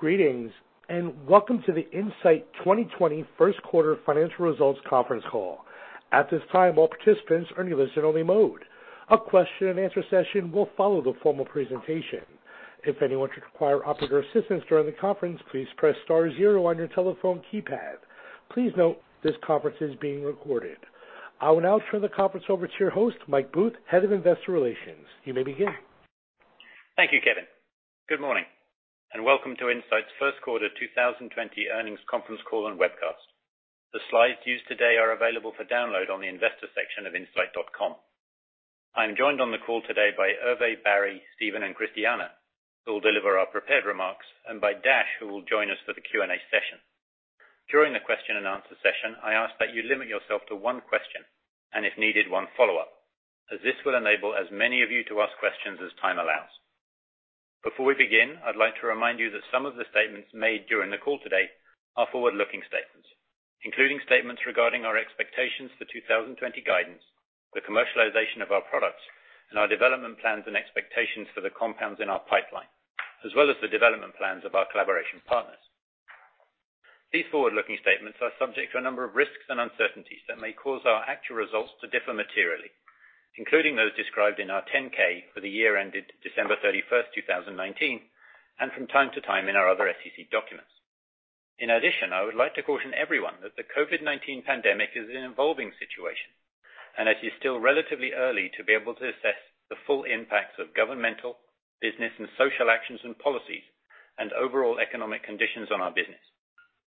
Greetings, and welcome to the Incyte 2020 first quarter financial results conference call. At this time, all participants are in listen-only mode. A Q&A session will follow the formal presentation. If anyone should require operator assistance during the conference, please press star zero on your telephone keypad. Please note this conference is being recorded. I will now turn the conference over to your host, Mike Booth, Head of Investor Relations. You may begin. Thank you, Kevin. Good morning, and welcome to Incyte's first quarter 2020 earnings conference call and webcast. The slides used today are available for download on the investor section of incyte.com. I'm joined on the call today by Hervé, Barry, Steven, and Christiana, who will deliver our prepared remarks, and by Dash, who will join us for the Q&A session. During the Q&A session, I ask that you limit yourself to one question, and if needed, one follow-up, as this will enable as many of you to ask questions as time allows. Before we begin, I'd like to remind you that some of the statements made during the call today are forward-looking statements, including statements regarding our expectations for 2020 guidance, the commercialization of our products, and our development plans and expectations for the compounds in our pipeline, as well as the development plans of our collaboration partners. These forward-looking statements are subject to a number of risks and uncertainties that may cause our actual results to differ materially, including those described in our 10-K for the year ended December 31st, 2019, and from time to time in our other SEC documents. In addition, I would like to caution everyone that the COVID-19 pandemic is an evolving situation, and as it's still relatively early to be able to assess the full impacts of governmental, business, and social actions and policies and overall economic conditions on our business.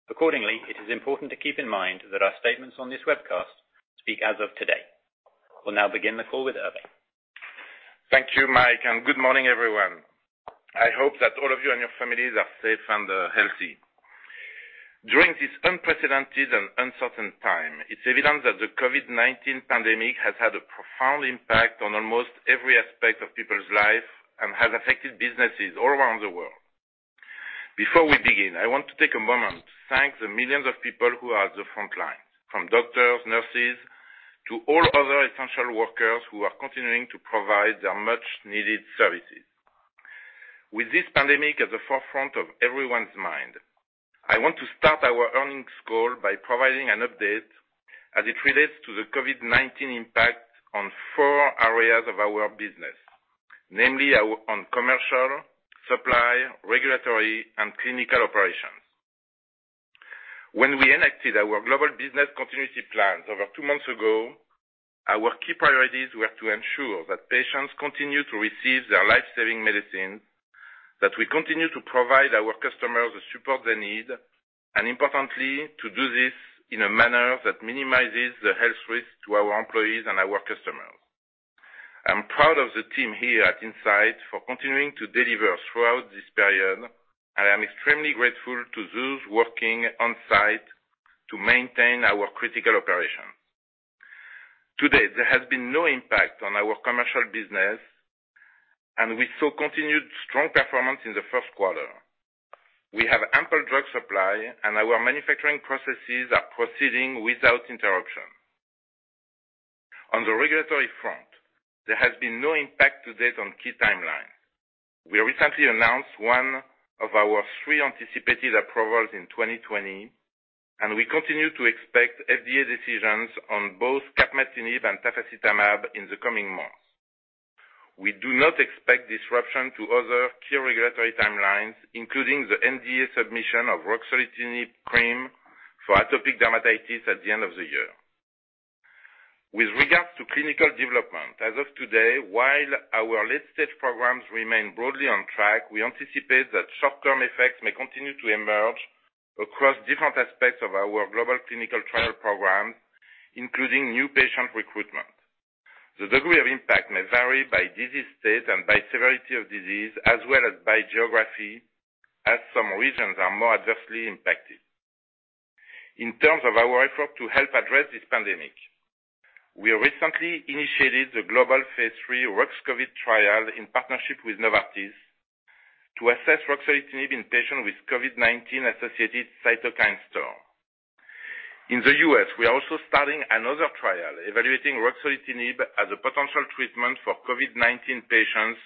Accordingly, it is important to keep in mind that our statements on this webcast speak as of today. We'll now begin the call with Hervé. Thank you, Mike. Good morning, everyone. I hope that all of you and your families are safe and healthy. During this unprecedented and uncertain time, it's evident that the COVID-19 pandemic has had a profound impact on almost every aspect of people's lives and has affected businesses all around the world. Before we begin, I want to take a moment to thank the millions of people who are at the front line, from doctors, nurses, to all other essential workers who are continuing to provide their much-needed services. With this pandemic at the forefront of everyone's mind, I want to start our earnings call by providing an update as it relates to the COVID-19 impact on four areas of our business, namely on commercial, supply, regulatory, and clinical operations. When we enacted our global business continuity plans over two months ago, our key priorities were to ensure that patients continue to receive their life-saving medicine, that we continue to provide our customers the support they need, and importantly, to do this in a manner that minimizes the health risk to our employees and our customers. I am proud of the team here at Incyte for continuing to deliver throughout this period, and I am extremely grateful to those working on-site to maintain our critical operations. To date, there has been no impact on our commercial business, and we saw continued strong performance in the first quarter. We have ample drug supply, and our manufacturing processes are proceeding without interruption. On the regulatory front, there has been no impact to date on key timelines. We recently announced one of our three anticipated approvals in 2020, and we continue to expect FDA decisions on both capmatinib and tafasitamab in the coming months. We do not expect disruption to other key regulatory timelines, including the NDA submission of ruxolitinib cream for atopic dermatitis at the end of the year. With regards to clinical development, as of today, while our late-stage programs remain broadly on track, we anticipate that short-term effects may continue to emerge across different aspects of our global clinical trial programs, including new patient recruitment. The degree of impact may vary by disease state and by severity of disease, as well as by geography, as some regions are more adversely impacted. In terms of our effort to help address this pandemic, we recently initiated the global phase III RUXCOVID trial in partnership with Novartis to assess ruxolitinib in patients with COVID-19-associated cytokine storm. In the U.S., we are also starting another trial evaluating ruxolitinib as a potential treatment for COVID-19 patients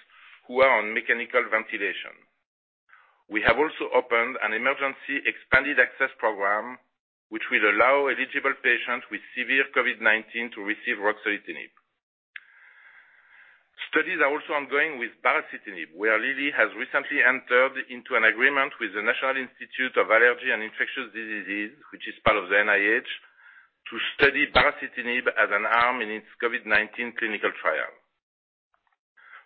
who are on mechanical ventilation. We have also opened an emergency expanded access program, which will allow eligible patients with severe COVID-19 to receive ruxolitinib. Studies are also ongoing with baricitinib, where Lilly has recently entered into an agreement with the National Institute of Allergy and Infectious Diseases, which is part of the NIH, to study baricitinib as an arm in its COVID-19 clinical trial.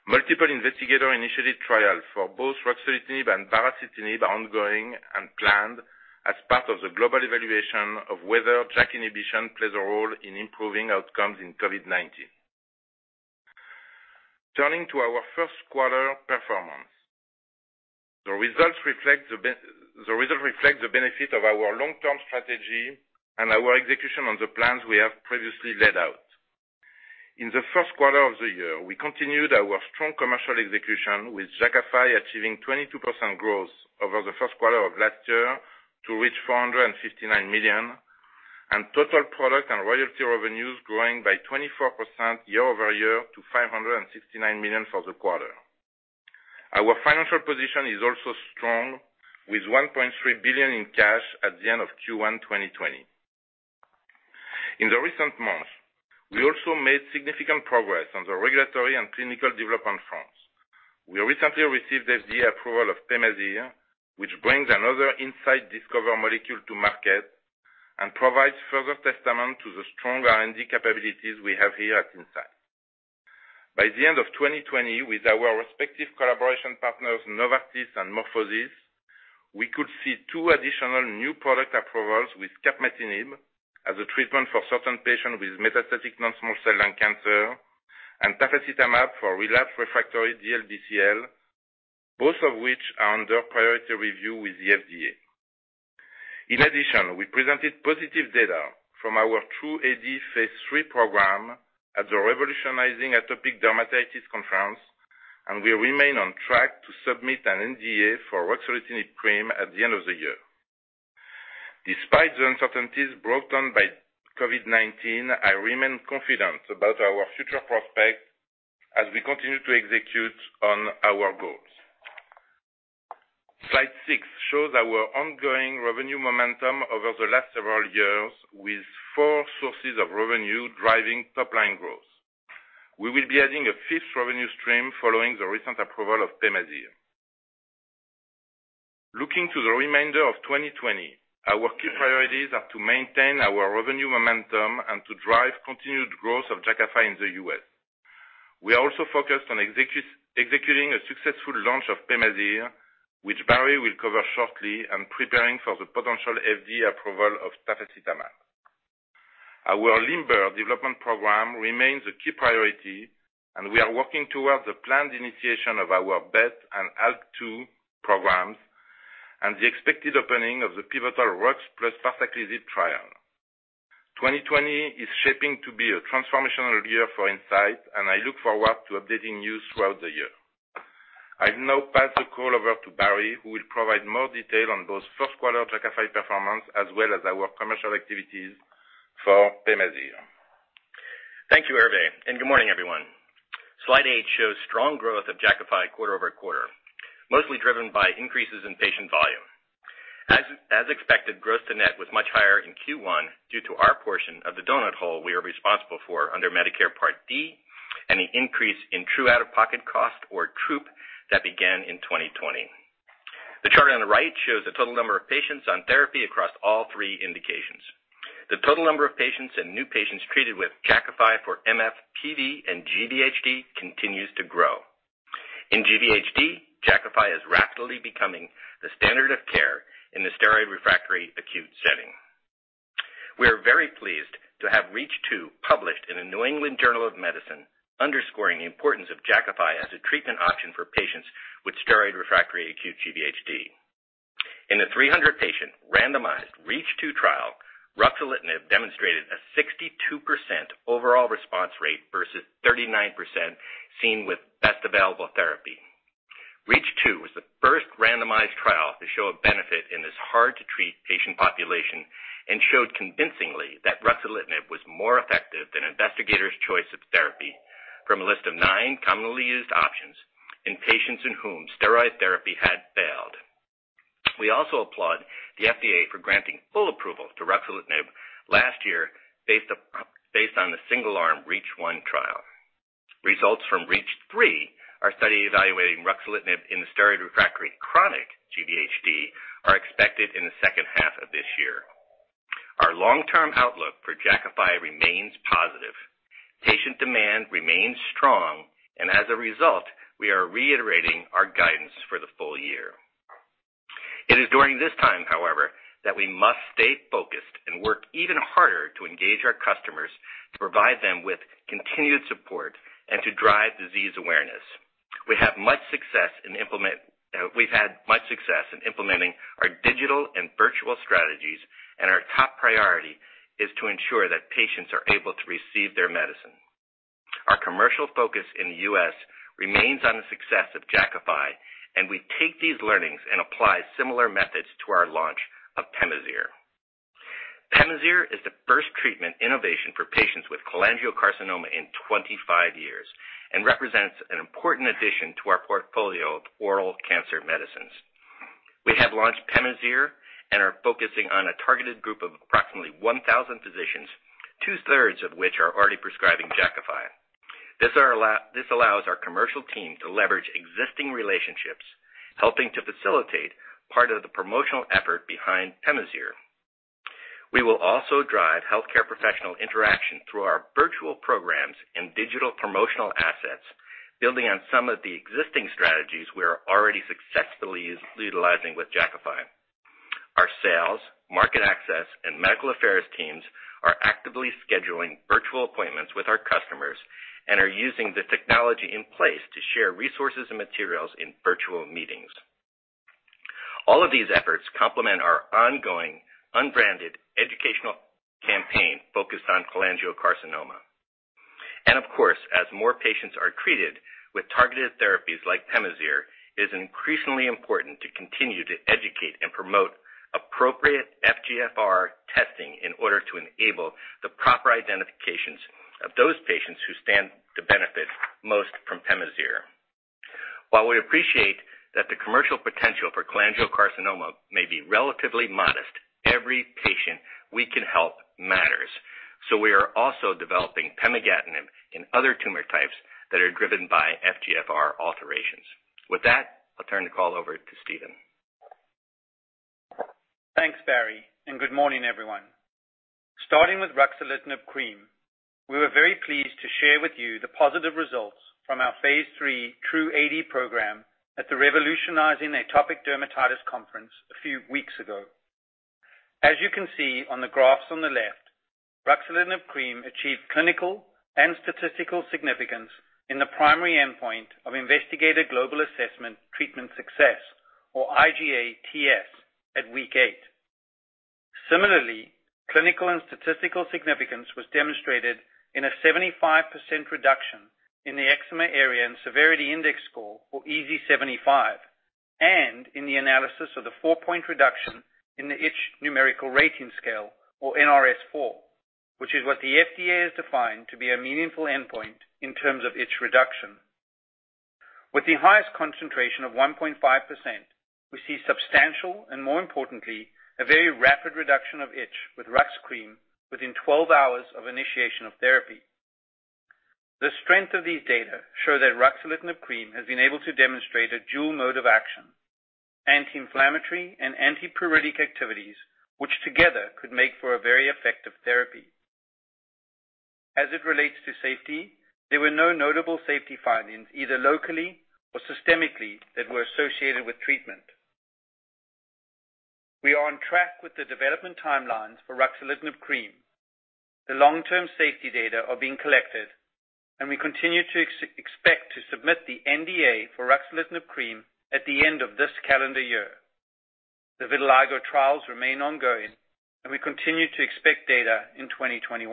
Multiple investigator-initiated trial for both ruxolitinib and baricitinib are ongoing and planned as part of the global evaluation of whether JAK inhibition plays a role in improving outcomes in COVID-19. Turning to our first quarter performance. The results reflect the benefit of our long-term strategy and our execution on the plans we have previously laid out. In the first quarter of the year, we continued our strong commercial execution with Jakafi achieving 22% growth over the first quarter of last year to reach $459 million. Total product and royalty revenues growing by 24% year-over-year to $569 million for the quarter. Our financial position is also strong, with $1.3 billion in cash at the end of Q1 2020. In the recent months, we also made significant progress on the regulatory and clinical development fronts. We recently received FDA approval of PEMAZYRE, which brings another Incyte discovered molecule to market and provides further testament to the strong R&D capabilities we have here at Incyte. By the end of 2020, with our respective collaboration partners, Novartis and MorphoSys, we could see two additional new product approvals with capmatinib as a treatment for certain patients with metastatic non-small cell lung cancer and tafasitamab for relapsed refractory DLBCL, both of which are under priority review with the FDA. In addition, we presented positive data from our TRuE-AD phase III program at the Revolutionizing Atopic Dermatitis Conference, and we remain on track to submit an NDA for ruxolitinib cream at the end of the year. Despite the uncertainties brought on by COVID-19, I remain confident about our future prospects as we continue to execute on our goals. Slide six shows our ongoing revenue momentum over the last several years with four sources of revenue driving top-line growth. We will be adding a fifth revenue stream following the recent approval of PEMAZYRE. Looking to the remainder of 2020, our key priorities are to maintain our revenue momentum and to drive continued growth of Jakafi in the U.S. We are also focused on executing a successful launch of PEMAZYRE, which Barry will cover shortly, and preparing for the potential FDA approval of tafasitamab. Our LIMBER development program remains a key priority, and we are working towards the planned initiation of our BET and ALK2 programs and the expected opening of the pivotal RUX plus parsaclisib trial. 2020 is shaping to be a transformational year for Incyte, and I look forward to updating you throughout the year. I'll now pass the call over to Barry, who will provide more detail on both first quarter Jakafi performance as well as our commercial activities for PEMAZYRE. Thank you, Hervé. Good morning, everyone. Slide eight shows strong growth of Jakafi quarter-over-quarter, mostly driven by increases in patient volume. As expected, gross to net was much higher in Q1 due to our portion of the donut hole we are responsible for under Medicare Part D and the increase in true out-of-pocket cost, or TrOOP, that began in 2020. The chart on the right shows the total number of patients on therapy across all three indications. The total number of patients and new patients treated with Jakafi for MF, PV, and GVHD continues to grow. In GVHD, Jakafi is rapidly becoming the standard of care in the steroid-refractory, acute setting. We are very pleased to have REACH2 published in The New England Journal of Medicine, underscoring the importance of Jakafi as a treatment option for patients with steroid-refractory acute GVHD. In the 300-patient randomized REACH2 trial, ruxolitinib demonstrated a 62% overall response rate versus 39% seen with best available therapy. REACH2 was the first randomized trial to show a benefit in this hard-to-treat patient population and showed convincingly that ruxolitinib was more effective than investigators' choice of therapy from a list of nine commonly used options in patients in whom steroid therapy had failed. We also applaud the FDA for granting full approval to ruxolitinib last year based on the single-arm REACH1 trial. Results from REACH3, our study evaluating ruxolitinib in the steroid-refractory chronic GVHD, are expected in the second half of this year. Our long-term outlook for Jakafi remains positive. Patient demand remains strong, and as a result, we are reiterating our guidance for the full year. It is during this time, however, that we must stay focused and work even harder to engage our customers, to provide them with continued support, and to drive disease awareness. We've had much success in implementing our digital and virtual strategies, and our top priority is to ensure that patients are able to receive their medicine. Our commercial focus in the U.S. remains on the success of Jakafi, and we take these learnings and apply similar methods to our launch of PEMAZYRE. PEMAZYRE is the first treatment innovation for patients with cholangiocarcinoma in 25 years and represents an important addition to our portfolio of oral cancer medicines. We have launched PEMAZYRE and are focusing on a targeted group of approximately 1,000 physicians, two-thirds of which are already prescribing Jakafi. This allows our commercial team to leverage existing relationships, helping to facilitate part of the promotional effort behind PEMAZYRE. We will also drive healthcare professional interaction through our virtual programs and digital promotional assets, building on some of the existing strategies we are already successfully utilizing with Jakafi. Our sales, market access, and medical affairs teams are actively scheduling virtual appointments with our customers and are using the technology in place to share resources and materials in virtual meetings. All of these efforts complement our ongoing unbranded educational campaign focused on cholangiocarcinoma. Of course, as more patients are treated with targeted therapies like PEMAZYRE, it is increasingly important to continue to educate and promote appropriate FGFR testing in order to enable the proper identifications of those patients who stand to benefit most from PEMAZYRE. While we appreciate that the commercial potential for cholangiocarcinoma may be relatively modest, every patient we can help matters. We are also developing pemigatinib in other tumor types that are driven by FGFR alterations. With that, I'll turn the call over to Steven. Thanks, Barry. Good morning, everyone. Starting with ruxolitinib cream, we were very pleased to share with you the positive results from our phase III TRuE-AD program at the Revolutionizing Atopic Dermatitis Conference a few weeks ago. As you can see on the graphs on the left, ruxolitinib cream achieved clinical and statistical significance in the primary endpoint of Investigator's Global Assessment of Treatment Success, or IGA-TS, at week eight. Similarly, clinical and statistical significance was demonstrated in a 75% reduction in the Eczema Area and Severity Index score, or EASI-75, and in the analysis of the four-point reduction in the Itch Numerical Rating Scale, or NRS4, which is what the FDA has defined to be a meaningful endpoint in terms of itch reduction. With the highest concentration of 1.5%, we see substantial, and more importantly, a very rapid reduction of itch with RUX cream within 12 hours of initiation of therapy. The strength of these data show that ruxolitinib cream has been able to demonstrate a dual mode of action, anti-inflammatory and antipruritic activities, which together could make for a very effective therapy. As it relates to safety, there were no notable safety findings, either locally or systemically, that were associated with treatment. We are on track with the development timelines for ruxolitinib cream. The long-term safety data are being collected, and we continue to expect to submit the NDA for ruxolitinib cream at the end of this calendar year. The vitiligo trials remain ongoing, and we continue to expect data in 2021.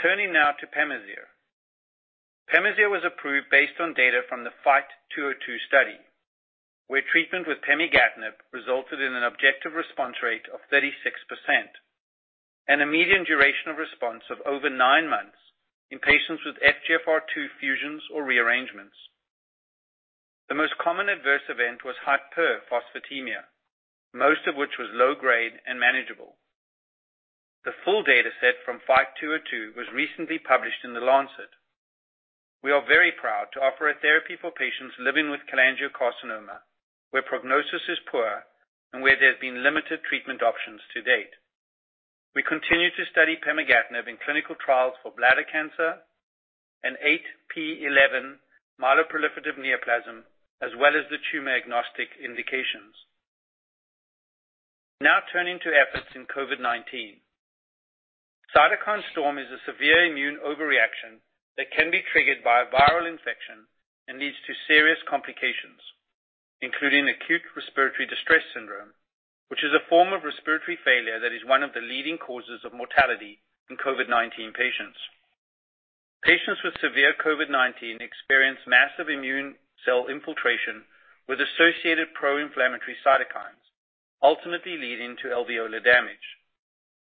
Turning now to PEMAZYRE. PEMAZYRE was approved based on data from the FIGHT-202 study, where treatment with pemigatinib resulted in an objective response rate of 36% and a median durational response of over nine months in patients with FGFR2 fusions or rearrangements. The most common adverse event was hyperphosphatemia, most of which was low-grade and manageable. The full data set from FIGHT-202 was recently published in The Lancet. We are very proud to offer a therapy for patients living with cholangiocarcinoma, where prognosis is poor and where there have been limited treatment options to date. We continue to study pemigatinib in clinical trials for bladder cancer and 8p11 myeloproliferative syndrome, as well as the tumor-agnostic indications. Turning to efforts in COVID-19. Cytokine storm is a severe immune overreaction that can be triggered by a viral infection and leads to serious complications, including acute respiratory distress syndrome, which is a form of respiratory failure that is one of the leading causes of mortality in COVID-19 patients. Patients with severe COVID-19 experience massive immune cell infiltration with associated pro-inflammatory cytokines, ultimately leading to alveolar damage.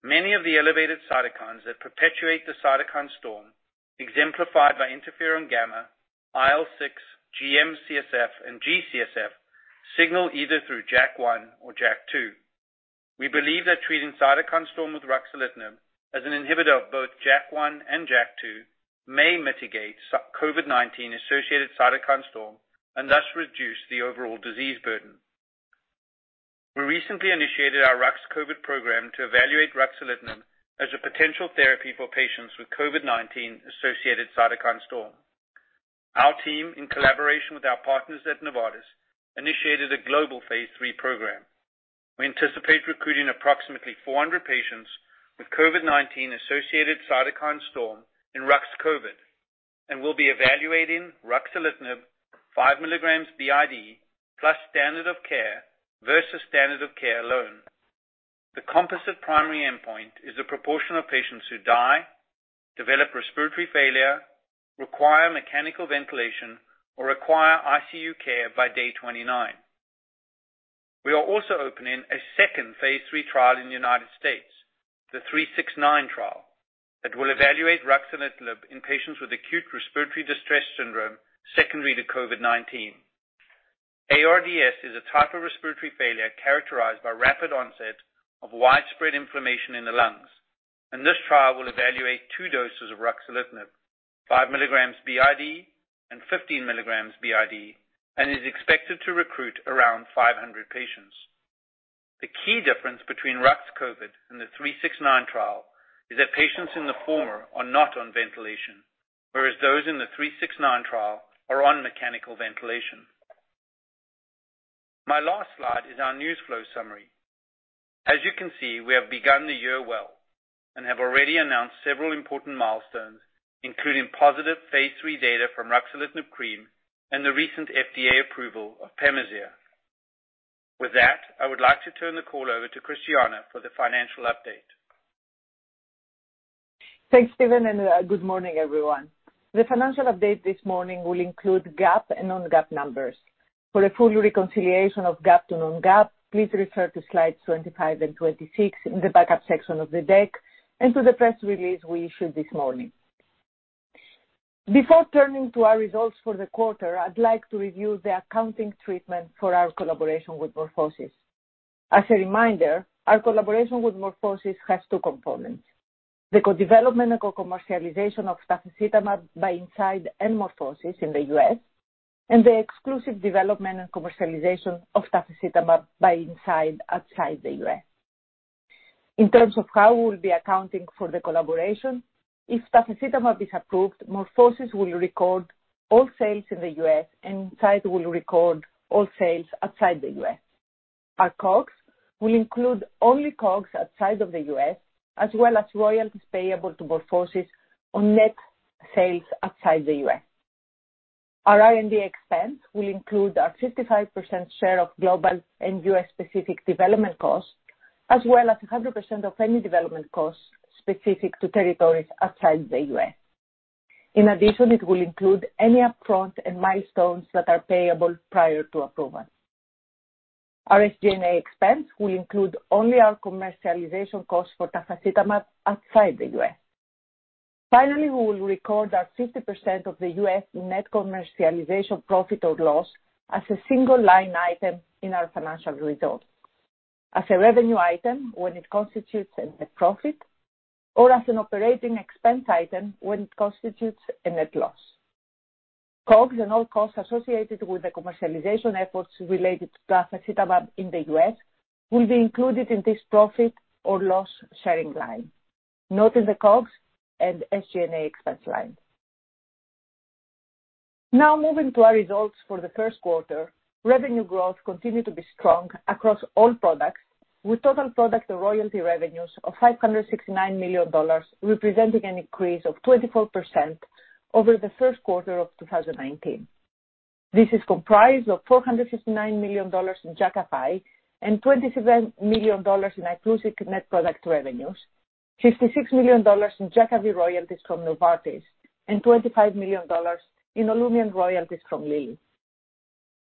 Many of the elevated cytokines that perpetuate the cytokine storm, exemplified by interferon gamma, IL-6, GM-CSF, and G-CSF, signal either through JAK1 or JAK2. We believe that treating cytokine storm with ruxolitinib as an inhibitor of both JAK1 and JAK2 may mitigate COVID-19-associated cytokine storm and thus reduce the overall disease burden. We recently initiated our RUXCOVID program to evaluate ruxolitinib as a potential therapy for patients with COVID-19-associated cytokine storm. Our team, in collaboration with our partners at Novartis, initiated a global phase III program. We anticipate recruiting approximately 400 patients with COVID-19-associated cytokine storm in RUXCOVID, and we'll be evaluating ruxolitinib 5 mg BID plus standard of care versus standard of care alone. The composite primary endpoint is the proportion of patients who die, develop respiratory failure, require mechanical ventilation, or require ICU care by day 29. We are also opening a second phase III trial in the U.S., the 369 trial, that will evaluate ruxolitinib in patients with acute respiratory distress syndrome secondary to COVID-19. ARDS is a type of respiratory failure characterized by rapid onset of widespread inflammation in the lungs, and this trial will evaluate 2 doses of ruxolitinib, 5 mg BID and 15 milligrams BID, and is expected to recruit around 500 patients. The key difference between RUXCOVID and the 369 trial is that patients in the former are not on ventilation, whereas those in the 369 trial are on mechanical ventilation. My last slide is our news flow summary. As you can see, we have begun the year well and have already announced several important milestones, including positive phase III data from ruxolitinib cream and the recent FDA approval of PEMAZYRE. With that, I would like to turn the call over to Christiana for the financial update. Thanks, Steven. Good morning, everyone. The financial update this morning will include GAAP and non-GAAP numbers. For a full reconciliation of GAAP to non-GAAP, please refer to slides 25 and 26 in the backup section of the deck and to the press release we issued this morning. Before turning to our results for the quarter, I'd like to review the accounting treatment for our collaboration with MorphoSys. As a reminder, our collaboration with MorphoSys has two components, the co-development and co-commercialization of tafasitamab by Incyte and MorphoSys in the U.S., and the exclusive development and commercialization of tafasitamab by Incyte outside the U.S. In terms of how we'll be accounting for the collaboration, if tafasitamab is approved, MorphoSys will record all sales in the U.S., and Incyte will record all sales outside the U.S. Our COGS will include only COGS outside of the U.S., as well as royalties payable to MorphoSys on net sales outside the U.S. Our R&D expense will include our 55% share of global and U.S.-specific development costs, as well as 100% of any development costs specific to territories outside the U.S. It will include any upfront and milestones that are payable prior to approval. Our SG&A expense will include only our commercialization costs for tafasitamab outside the U.S. Finally, we will record our 50% of the U.S. net commercialization profit or loss as a single line item in our financial results. As a revenue item, when it constitutes a net profit, or as an operating expense item when it constitutes a net loss. COGS and all costs associated with the commercialization efforts related to tafasitamab in the U.S. will be included in this profit or loss sharing line, not in the COGS and SG&A expense line. Moving to our results for the first quarter. Revenue growth continued to be strong across all products, with total product and royalty revenues of $569 million, representing an increase of 24% over the first quarter of 2019. This is comprised of $459 million in Jakafi and $27 million in Iclusig net product revenues, $56 million in Jakavi royalties from Novartis, and $25 million in OLUMIANT royalties from Lilly.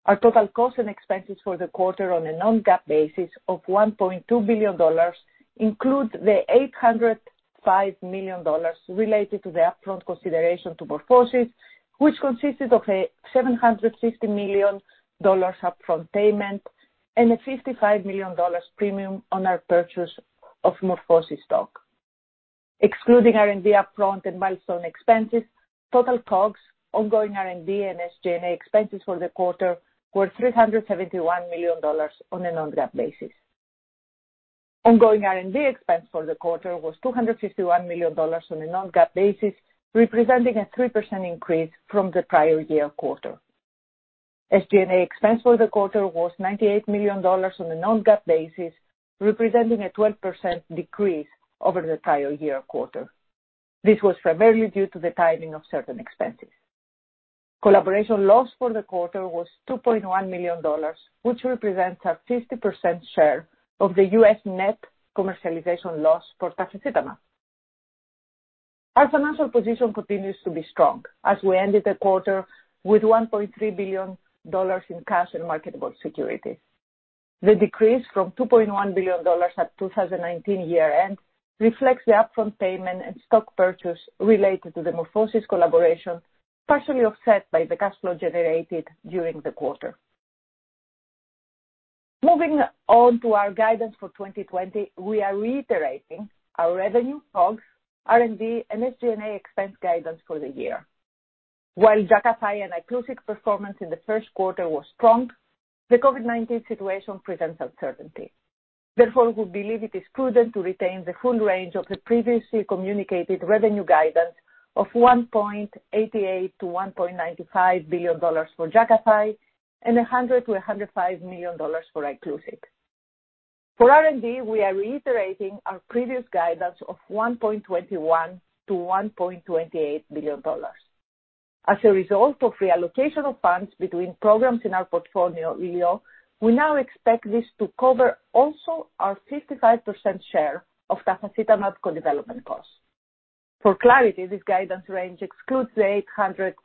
Our total costs and expenses for the quarter on a non-GAAP basis of $1.2 billion include the $805 million related to the upfront consideration to MorphoSys, which consisted of a $750 million upfront payment and a $55 million premium on our purchase of MorphoSys stock. Excluding R&D upfront and milestone expenses, total COGS, ongoing R&D, and SG&A expenses for the quarter were $371 million on a non-GAAP basis. Ongoing R&D expense for the quarter was $251 million on a non-GAAP basis, representing a 3% increase from the prior year quarter. SG&A expense for the quarter was $98 million on a non-GAAP basis, representing a 12% decrease over the prior year quarter. This was primarily due to the timing of certain expenses. Collaboration loss for the quarter was $2.1 million, which represents our 50% share of the U.S. net commercialization loss for tafasitamab. Our financial position continues to be strong as we ended the quarter with $1.3 billion in cash and marketable securities. The decrease from $2.1 billion at 2019 year-end reflects the upfront payment and stock purchase related to the MorphoSys collaboration, partially offset by the cash flow generated during the quarter. Moving on to our guidance for 2020, we are reiterating our revenue, COGS, R&D, and SG&A expense guidance for the year. While Jakafi and Iclusig performance in the first quarter was strong, the COVID-19 situation presents uncertainty. Therefore, we believe it is prudent to retain the full range of the previously communicated revenue guidance of $1.88 billion-$1.95 billion for Jakafi and $100 million-$105 million for Iclusig. For R&D, we are reiterating our previous guidance of $1.21 billion-$1.28 billion. As a result of reallocation of funds between programs in our portfolio, we now expect this to cover also our 55% share of tafasitamab co-development costs. For clarity, this guidance range excludes the $805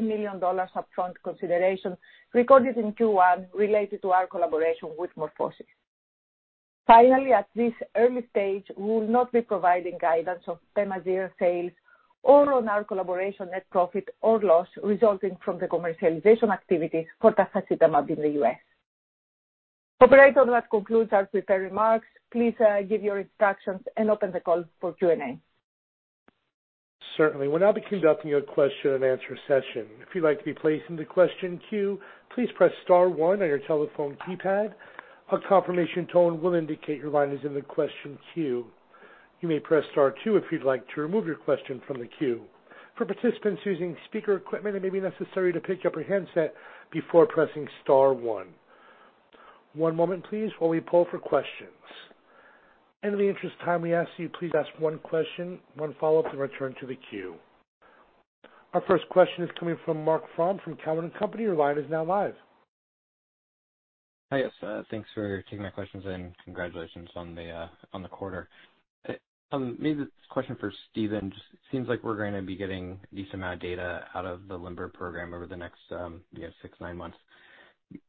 million upfront consideration recorded in Q1 related to our collaboration with MorphoSys. Finally, at this early stage, we will not be providing guidance of PEMAZYRE sales or on our collaboration net profit or loss resulting from the commercialization activities for tafasitamab in the U.S. Operator, that concludes our prepared remarks. Please give your instructions and open the call for Q&A. Certainly. We'll now be conducting a Q&A session. If you'd like to be placed into question queue, please press star one on your telephone keypad. A confirmation tone will indicate your line is in the question queue. You may press star two if you'd like to remove your question from the queue. For participants using speaker equipment, it may be necessary to pick up your handset before pressing star one. One moment please while we poll for questions. In the interest of time, we ask you please ask one question, one follow-up, and return to the queue. Our first question is coming from Marc Frahm from Cowen and Company. Your line is now live. Hi. Yes. Thanks for taking my questions. Congratulations on the quarter. Maybe this question for Steven. Just seems like we're going to be getting a decent amount of data out of the LIMBER program over the next six, nine months.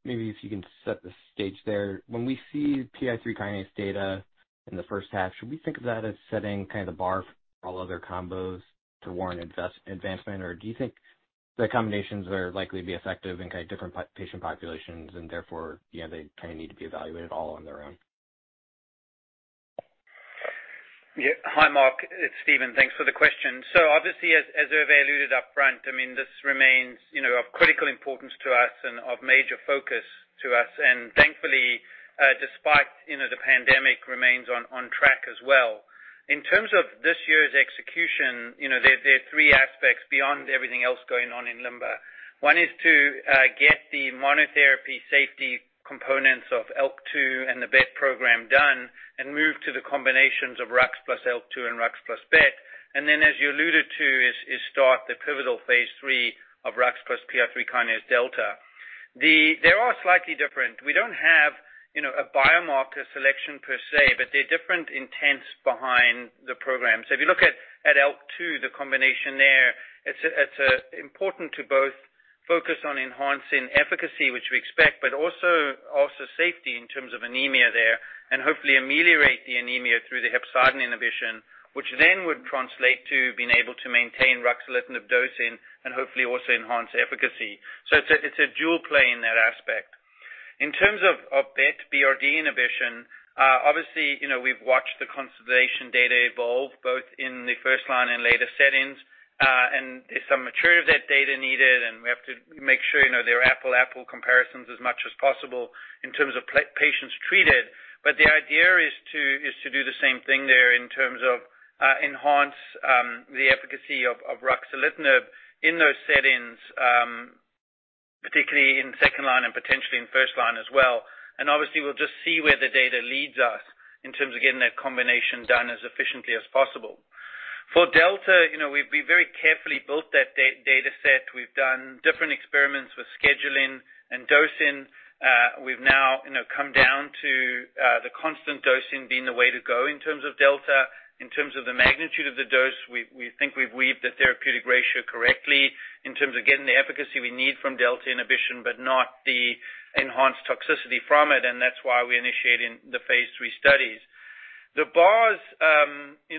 Maybe if you can set the stage there. When we see PI3-kinase data in the first half, should we think of that as setting the bar for all other combos to warrant advancement? Do you think the combinations are likely to be effective in different patient populations, and therefore, they need to be evaluated all on their own? Yeah. Hi, Marc. It's Steven. Thanks for the question. Obviously, as Hervé alluded upfront, this remains of critical importance to us and of major focus to us. Thankfully, despite the pandemic, remains on track as well. In terms of this year's execution, there are three aspects beyond everything else going on in LIMBER. One is to get the monotherapy safety components of ALK2 and the BET program done and move to the combinations of ruxolitinib plus ALK2 and ruxolitinib plus BET. Then, as you alluded to, is start the pivotal phase III of ruxolitinib plus PI3K-delta. They are slightly different. We don't have a biomarker selection per se, but there are different intents behind the programs. If you look at ALK2, the combination there, it's important to both focus on enhancing efficacy, which we expect, but also safety in terms of anemia there, and hopefully ameliorate the anemia through the hepcidin inhibition, which then would translate to being able to maintain ruxolitinib dosing and hopefully also enhance efficacy. It's a dual play in that aspect. In terms of BET BRD inhibition, obviously, we've watched the consolidation data evolve, both in the first line and later settings. There's some maturity of that data needed, and we have to make sure there are apple-apple comparisons as much as possible in terms of patients treated. The idea is to do the same thing there in terms of enhance the efficacy of ruxolitinib in those settings, particularly in second line and potentially in first line as well. Obviously, we'll just see where the data leads us in terms of getting that combination done as efficiently as possible. For delta, we've very carefully built that dataset. We've done different experiments with scheduling and dosing. We've now come down to the constant dosing being the way to go in terms of delta. In terms of the magnitude of the dose, we think we've weaved the therapeutic ratio correctly in terms of getting the efficacy we need from delta inhibition, but not the enhanced toxicity from it, and that's why we're initiating the phase III studies. The bars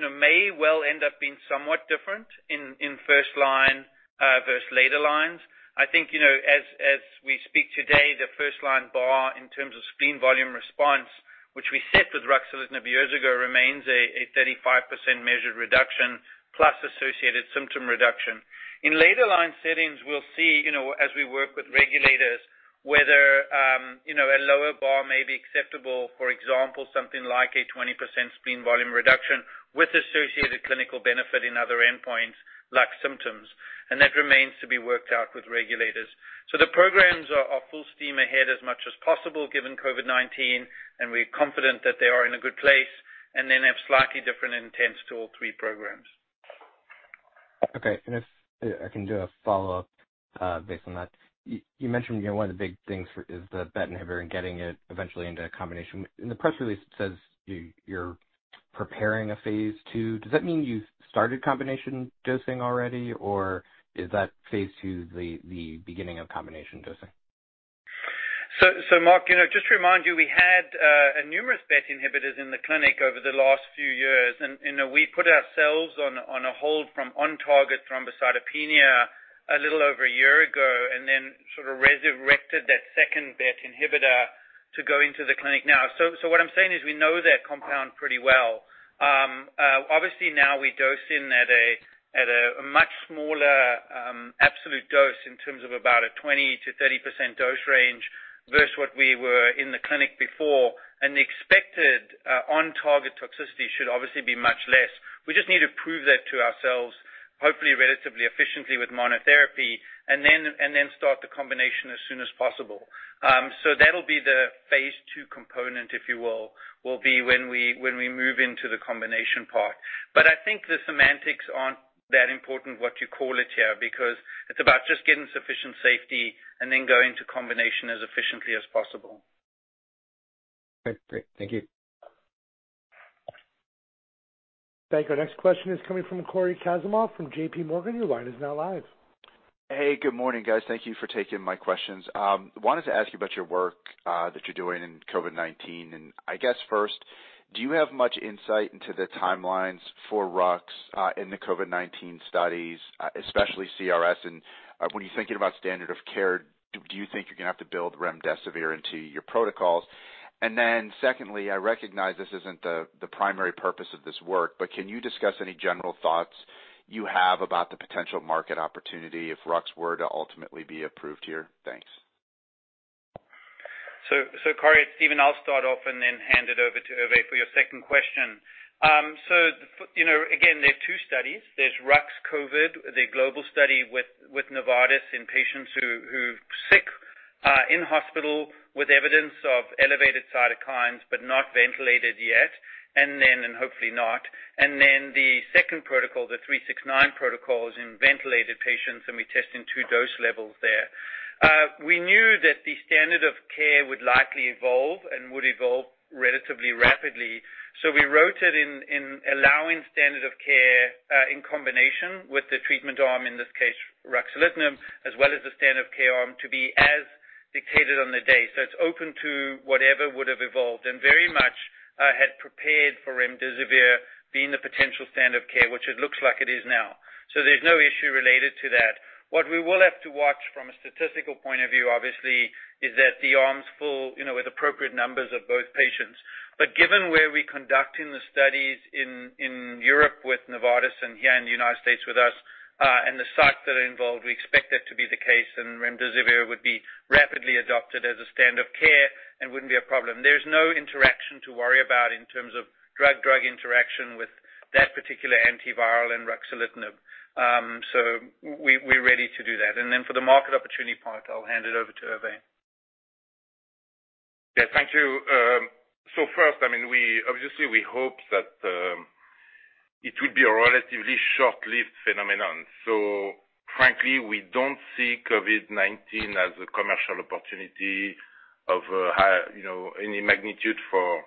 may well end up being somewhat different in first line versus later lines. I think, as we speak today, the first-line bar in terms of spleen volume response, which we set with ruxolitinib years ago, remains a 35% measured reduction plus associated symptom reduction. In later line settings, we'll see, as we work with regulators, whether a lower bar may be acceptable. For example, something like a 20% spleen volume reduction with associated clinical benefit in other endpoints like symptoms, and that remains to be worked out with regulators. The programs are full steam ahead as much as possible given COVID-19, and we're confident that they are in a good place and then have slightly different intents to all three programs. Okay. If I can do a follow-up based on that. You mentioned one of the big things is the BET inhibitor and getting it eventually into a combination. In the press release, it says you're preparing a phase II. Does that mean you've started combination dosing already, or is that phase II the beginning of combination dosing? Marc, just to remind you, we had numerous BET inhibitors in the clinic over the last few years, and we put ourselves on a hold from on-target thrombocytopenia a little over a year ago and then sort of resurrected that second BET inhibitor to go into the clinic now. What I'm saying is we know that compound pretty well. Obviously, now we dose in at a much smaller absolute dose in terms of about a 20%-30% dose range versus what we were in the clinic before. The expected on-target toxicity should obviously be much less. We just need to prove that to ourselves, hopefully relatively efficiently with monotherapy, and then start the combination as soon as possible. That'll be the phase II component, if you will be when we move into the combination part. I think the semantics aren't that important, what you call it here, because it's about just getting sufficient safety and then going to combination as efficiently as possible. Okay, great. Thank you. Thank you. Our next question is coming from Cory Kasimov from JPMorgan. Your line is now live. Hey, good morning, guys. Thank you for taking my questions. Wanted to ask you about your work that you're doing in COVID-19. I guess first, do you have much insight into the timelines for Rux in the COVID-19 studies, especially CRS? When you're thinking about standard of care, do you think you're going to have to build remdesivir into your protocols? Then secondly, I recognize this isn't the primary purpose of this work, but can you discuss any general thoughts you have about the potential market opportunity if Rux were to ultimately be approved here? Thanks. Cory, it's Steven. I'll start off and then hand it over to Hervé for your second question. Again, there are two studies. There's RUXCOVID, the global study with Novartis in patients who're sick in hospital with evidence of elevated cytokines, but not ventilated yet, and hopefully not. The second protocol, the 369 protocol, is in ventilated patients, and we're testing two dose levels there. We knew that the standard of care would likely evolve and would evolve relatively rapidly. We wrote it in allowing standard of care, in combination with the treatment arm, in this case, ruxolitinib, as well as the standard of care arm, to be as dictated on the day. It's open to whatever would have evolved, and very much, had prepared for remdesivir being the potential standard of care, which it looks like it is now. There's no issue related to that. What we will have to watch from a statistical point of view, obviously, is that the arm's full with appropriate numbers of both patients. Given where we're conducting the studies in Europe with Novartis and here in the U.S. with us, and the sites that are involved, we expect that to be the case, and remdesivir would be rapidly adopted as a standard of care and wouldn't be a problem. There's no interaction to worry about in terms of drug-drug interaction with that particular antiviral and ruxolitinib. We're ready to do that. For the market opportunity part, I'll hand it over to Hervé. Thank you. First, obviously we hope that it would be a relatively short-lived phenomenon. Frankly, we don't see COVID-19 as a commercial opportunity of any magnitude for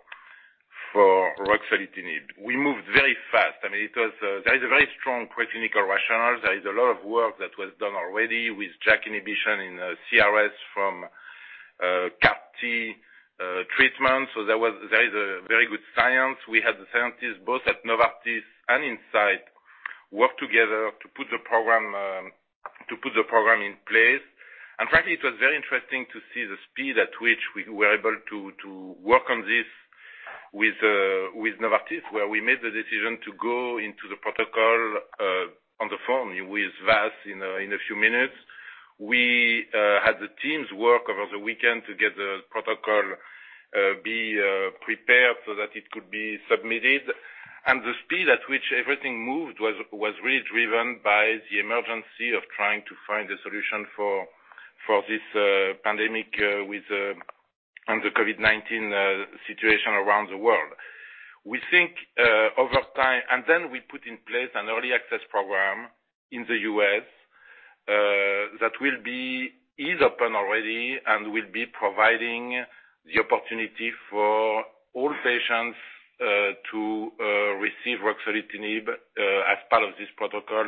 ruxolitinib. We moved very fast. There is a very strong preclinical rationale. There is a lot of work that was done already with JAK inhibition in CRS from CAR T treatment. There is a very good science. We had the scientists, both at Novartis and Incyte, work together to put the program in place. Frankly, it was very interesting to see the speed at which we were able to work on this with Novartis, where we made the decision to go into the protocol on the phone with Vas in a few minutes. We had the teams work over the weekend to get the protocol be prepared so that it could be submitted. The speed at which everything moved was really driven by the emergency of trying to find a solution for this pandemic and the COVID-19 situation around the world. Then we put in place an early access program in the U.S. that is open already and will be providing the opportunity for all patients to receive ruxolitinib as part of this protocol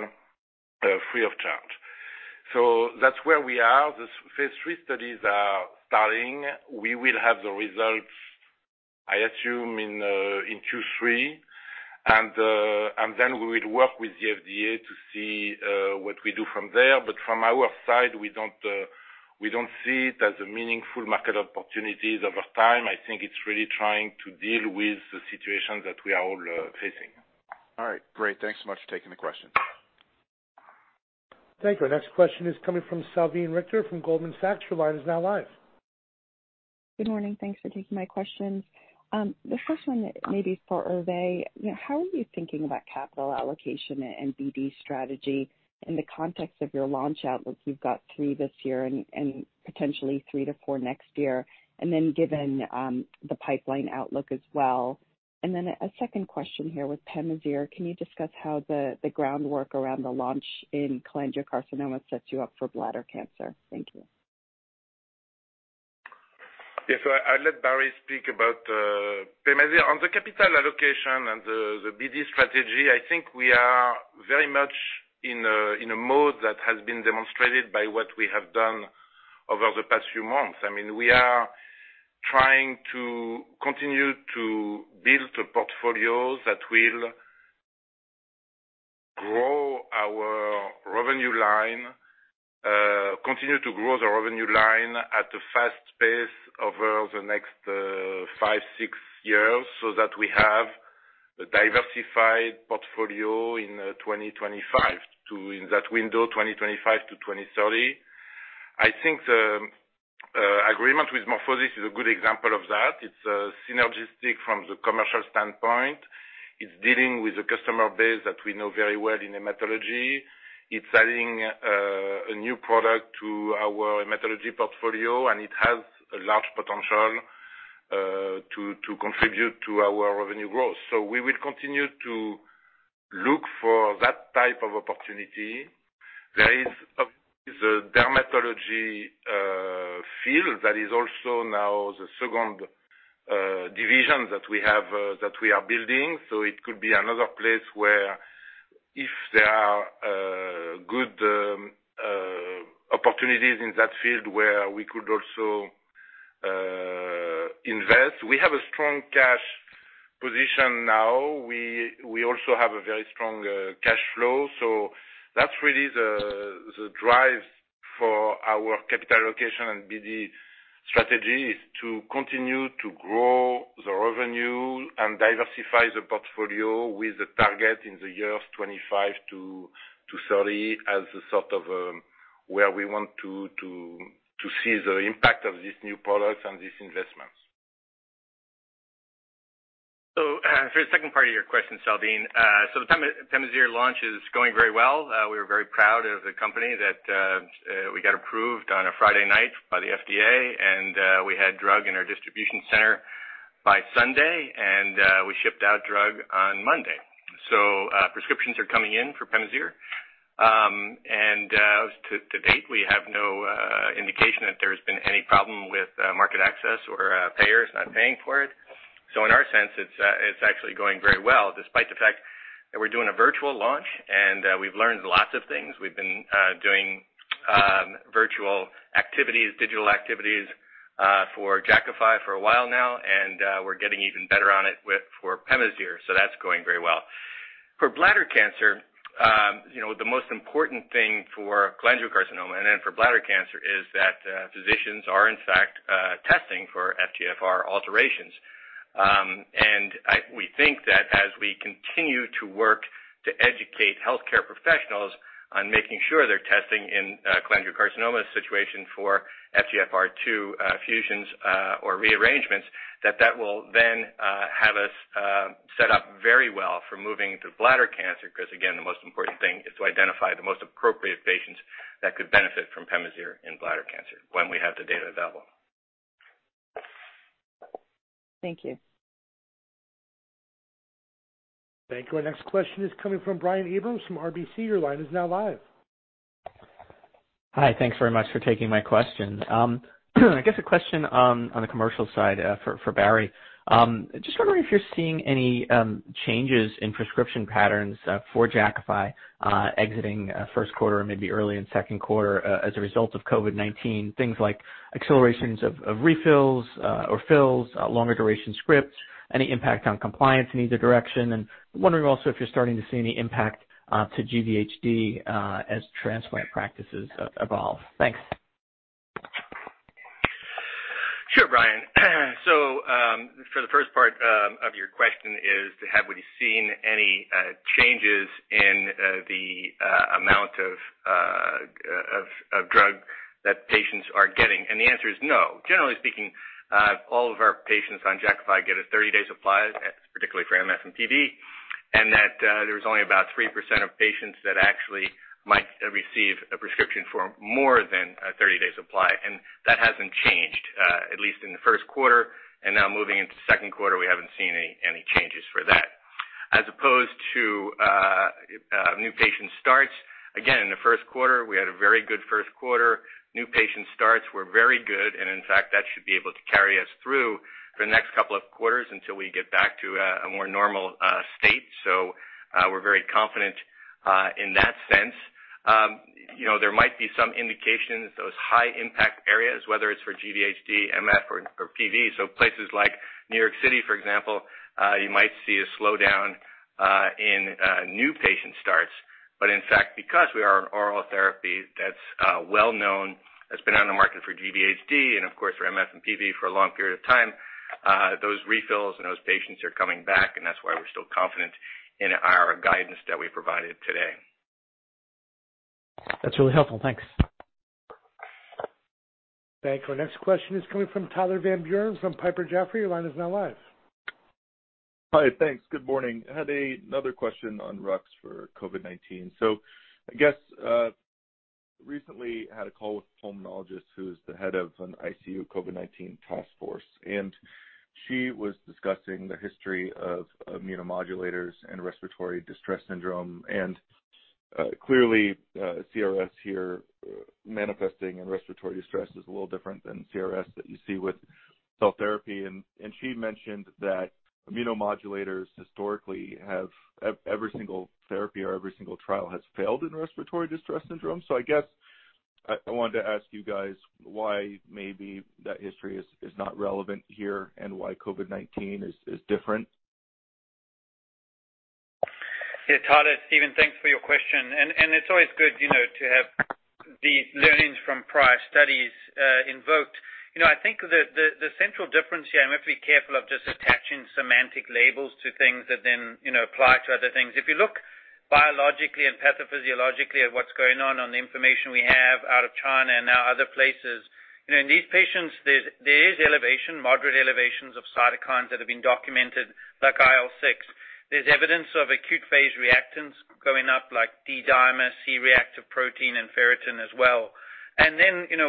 free of charge. That's where we are. The phase III studies are starting. We will have the results, I assume, in Q3, and then we will work with the FDA to see what we do from there. From our side, we don't see it as a meaningful market opportunity over time. I think it's really trying to deal with the situation that we are all facing. All right. Great. Thanks so much for taking the question. Thank you. Our next question is coming from Salveen Richter from Goldman Sachs. Your line is now live. Good morning. Thanks for taking my questions. The first one may be for Hervé. How are you thinking about capital allocation and BD strategy in the context of your launch outlook? You've got three this year and potentially three to four next year, given the pipeline outlook as well. A second question here with PEMAZYRE. Can you discuss how the groundwork around the launch in cholangiocarcinoma sets you up for bladder cancer? Thank you. I'll let Barry speak about PEMAZYRE. On the capital allocation and the BD strategy, I think we are very much in a mode that has been demonstrated by what we have done over the past few months. We are trying to continue to build a portfolio that will continue to grow the revenue line at a fast pace over the next five, six years, that we have a diversified portfolio in 2025, in that window, 2025-2030. I think the agreement with MorphoSys is a good example of that. It's synergistic from the commercial standpoint. It's dealing with a customer base that we know very well in hematology. It's adding a new product to our hematology portfolio, it has a large potential to contribute to our revenue growth. We will continue to look for that type of opportunity. There is a dermatology field that is also now the second division that we are building. It could be another place where if there are good opportunities in that field where we could also invest. We have a strong cash position now. We also have a very strong cash flow. That's really the drive for our capital allocation and BD strategy, is to continue to grow the revenue and diversify the portfolio with the target in the years 2025-2030 as a sort of where we want to see the impact of these new products and these investments. For the second part of your question, Salveen. The PEMAZYRE launch is going very well. We're very proud of the company that we got approved on a Friday night by the FDA, and we had drug in our distribution center by Sunday, and we shipped out drug on Monday. Prescriptions are coming in for PEMAZYRE. To date, we have no indication that there's been any problem with market access or payers not paying for it. In our sense, it's actually going very well, despite the fact that we're doing a virtual launch, and we've learned lots of things. We've been doing virtual activities, digital activities, for Jakafi for a while now, and we're getting even better on it with, for PEMAZYRE, so that's going very well. For bladder cancer, the most important thing for cholangiocarcinoma and then for bladder cancer is that physicians are in fact testing for FGFR alterations. We think that as we continue to work to educate healthcare professionals on making sure they're testing in cholangiocarcinoma situation for FGFR2 fusions or rearrangements, that that will then have us set up very well for moving to bladder cancer, because again, the most important thing is to identify the most appropriate patients that could benefit from PEMAZYRE in bladder cancer when we have the data available. Thank you. Thank you. Our next question is coming from Brian Abrahams from RBC. Your line is now live. Hi. Thanks very much for taking my question. I guess a question on the commercial side for Barry. Just wondering if you're seeing any changes in prescription patterns for Jakafi exiting first quarter or maybe early in second quarter as a result of COVID-19, things like accelerations of refills or fills, longer duration scripts, any impact on compliance in either direction and wondering also if you're starting to see any impact to GVHD as transplant practices evolve. Thanks. Sure, Brian. For the first part of your question is, have we seen any changes in the amount of drug that patients are getting? The answer is no. Generally speaking, all of our patients on Jakafi get a 30-day supply, particularly for MF and PV, there's only about 3% of patients that actually might receive a prescription for more than a 30-day supply. That hasn't changed, at least in the first quarter. Now moving into second quarter, we haven't seen any changes for that. As opposed to new patient starts. Again, in the first quarter, we had a very good first quarter. New patient starts were very good and, in fact, that should be able to carry us through the next couple of quarters until we get back to a more normal state. We're very confident in that sense. There might be some indication that those high impact areas, whether it's for GVHD, MF, or PV, so places like New York City, for example, you might see a slowdown in new patient starts. In fact, because we are an oral therapy that's well-known, that's been on the market for GVHD and of course for MF and PV for a long period of time, those refills and those patients are coming back, and that's why we're still confident in our guidance that we provided today. That's really helpful. Thanks. Thank you. Our next question is coming from Tyler Van Buren from Piper Jaffray Your line is now live. Hi, thanks. Good morning. I had another question on rux for COVID-19. I guess, recently had a call with a pulmonologist who's the head of an ICU COVID-19 task force, and she was discussing the history of immunomodulators and respiratory distress syndrome. Clearly, CRS here manifesting in respiratory distress is a little different than CRS that you see with cell therapy. She mentioned that immunomodulators historically have every single therapy or every single trial has failed in respiratory distress syndrome. I guess I wanted to ask you guys why maybe that history is not relevant here and why COVID-19 is different. Hi, Tyler. It's Steven, thanks for your question. It's always good to have these learnings from prior studies invoked. I think the central difference here, I'm going to be careful of just attaching semantic labels to things that then apply to other things. If you look biologically and pathophysiologically at what's going on the information we have out of China and now other places. In these patients, there is elevation, moderate elevations of cytokines that have been documented, like IL-6. There's evidence of acute phase reactants going up like D-dimer, C-reactive protein, and ferritin as well.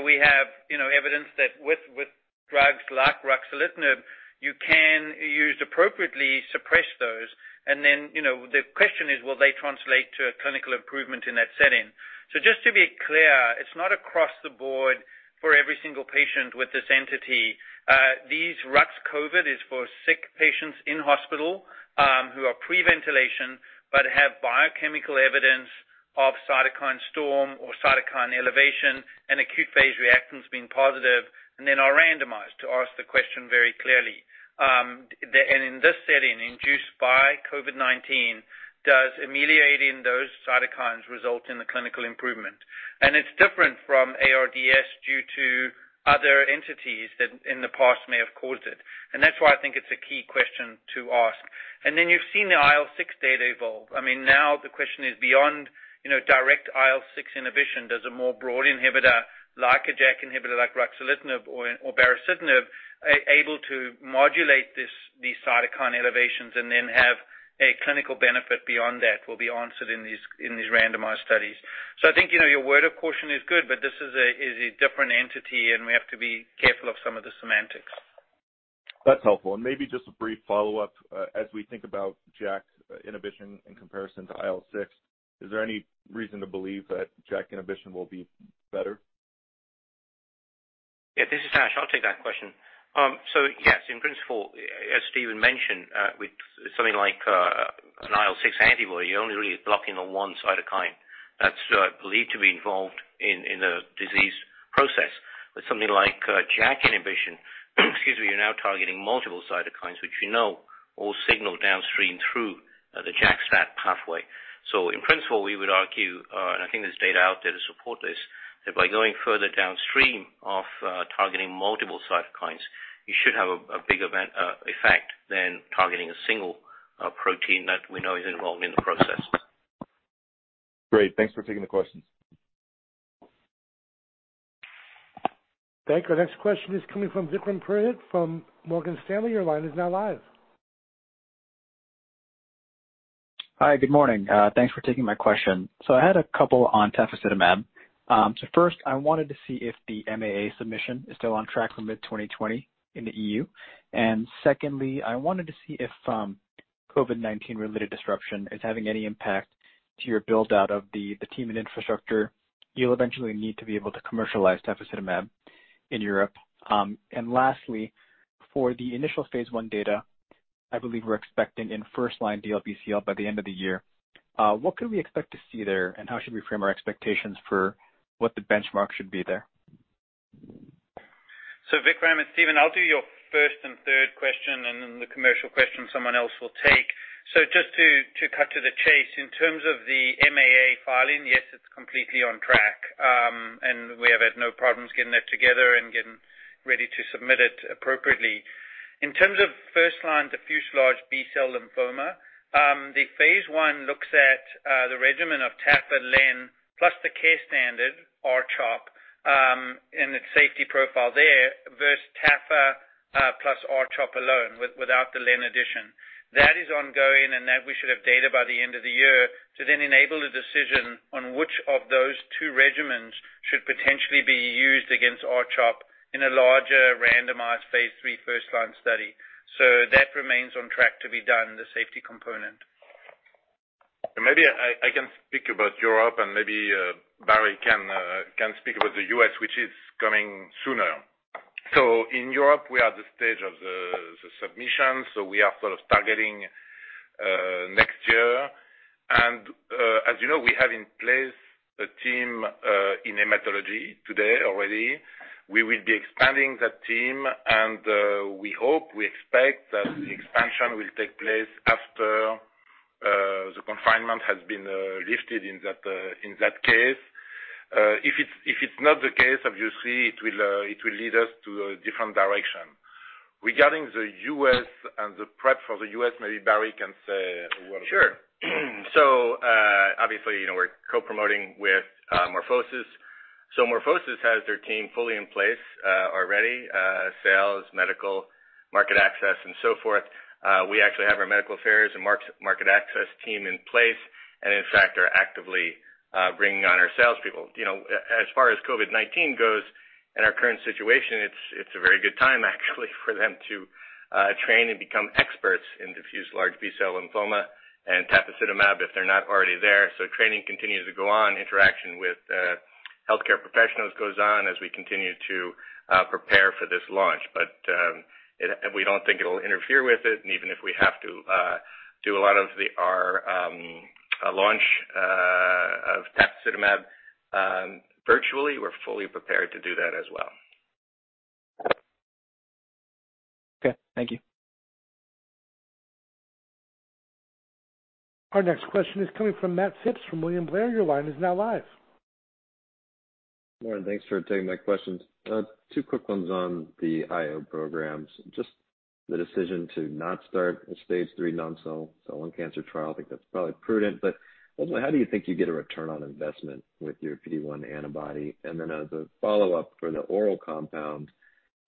We have evidence that with drugs like ruxolitinib, you can, used appropriately, suppress those. The question is, will they translate to a clinical improvement in that setting? Just to be clear, it's not across the board for every single patient with this entity. These RUXCOVID is for sick patients in hospital who are pre-ventilation but have biochemical evidence of cytokine storm or cytokine elevation and acute phase reactants being positive, and then are randomized to ask the question very clearly. In this setting induced by COVID-19, does ameliorating those cytokines result in the clinical improvement? It's different from ARDS due to other entities that in the past may have caused it. That's why I think it's a key question to ask. You've seen the IL-6 data evolve. Now the question is, beyond direct IL-6 inhibition, does a more broad inhibitor like a JAK inhibitor like ruxolitinib or baricitinib able to modulate these cytokine elevations and then have a clinical benefit beyond that, will be answered in these randomized studies. I think, your word of caution is good, but this is a different entity and we have to be careful of some of the semantics. That's helpful. Maybe just a brief follow-up. As we think about JAK inhibition in comparison to IL-6, is there any reason to believe that JAK inhibition will be better? Yeah, this is Dash. I'll take that question. Yes, in principle, as Steven mentioned, with something like an IL-6 antibody, you're only really blocking the one cytokine that's believed to be involved in the disease process. With something like JAK inhibition, you're now targeting multiple cytokines, which we know all signal downstream through the JAK-STAT pathway. In principle, we would argue, and I think there's data out there to support this, that by going further downstream of targeting multiple cytokines, you should have a bigger effect than targeting a single protein that we know is involved in the process. Great. Thanks for taking the questions. Thank you. Our next question is coming from Vikram Purohit from Morgan Stanley. Your line is now live. Hi. Good morning. Thanks for taking my question. I had a couple on tafasitamab. First, I wanted to see if the MAA submission is still on track for mid-2020 in the EU. Secondly, I wanted to see if COVID-19 related disruption is having any impact to your build-out of the team and infrastructure you'll eventually need to be able to commercialize tafasitamab in Europe. Lastly, for the initial phase I data, I believe we're expecting in first-line DLBCL by the end of the year. What could we expect to see there, and how should we frame our expectations for what the benchmark should be there? Vikram, it's Steven. I'll do your first and third question, the commercial question someone else will take. Just to cut to the chase, in terms of the MAA filing, yes, it's completely on track. We have had no problems getting that together and getting ready to submit it appropriately. In terms of first-line diffuse large B-cell lymphoma, the phase I looks at the regimen of tafa len plus the care standard, R-CHOP, and its safety profile there, versus tafa plus R-CHOP alone, without the len addition. That is ongoing, that we should have data by the end of the year to enable a decision on which of those two regimens should potentially be used against R-CHOP in a larger randomized phase III first line study. That remains on track to be done, the safety component. Maybe I can speak about Europe and maybe Barry can speak about the U.S., which is coming sooner. In Europe, we are at the stage of the submission, we are sort of targeting next year. As you know, we have in place a team in hematology today already. We will be expanding that team and we hope, we expect that the expansion will take place after the confinement has been lifted in that case. If it's not the case, obviously, it will lead us to a different direction. Regarding the U.S. and the prep for the U.S., maybe Barry can say a word about that. Sure. Obviously, we're co-promoting with MorphoSys. MorphoSys has their team fully in place already, sales, medical, market access, and so forth. We actually have our medical affairs and market access team in place and, in fact, are actively bringing on our salespeople. As far as COVID-19 goes and our current situation, it's a very good time actually for them to train and become experts in diffuse large B-cell lymphoma and tafasitamab, if they're not already there. Training continues to go on, interaction with healthcare professionals goes on as we continue to prepare for this launch. We don't think it'll interfere with it, and even if we have to do a lot of our launch of tafasitamab virtually, we're fully prepared to do that as well. Okay. Thank you. Our next question is coming from Matt Phipps from William Blair. Your line is now live. Morning. Thanks for taking my questions. Two quick ones on the IO programs. Just the decision to not start a phase III non-small cell lung cancer trial, I think that's probably prudent, but also, how do you think you get a return on investment with your PD-1 antibody? As a follow-up for the oral compound,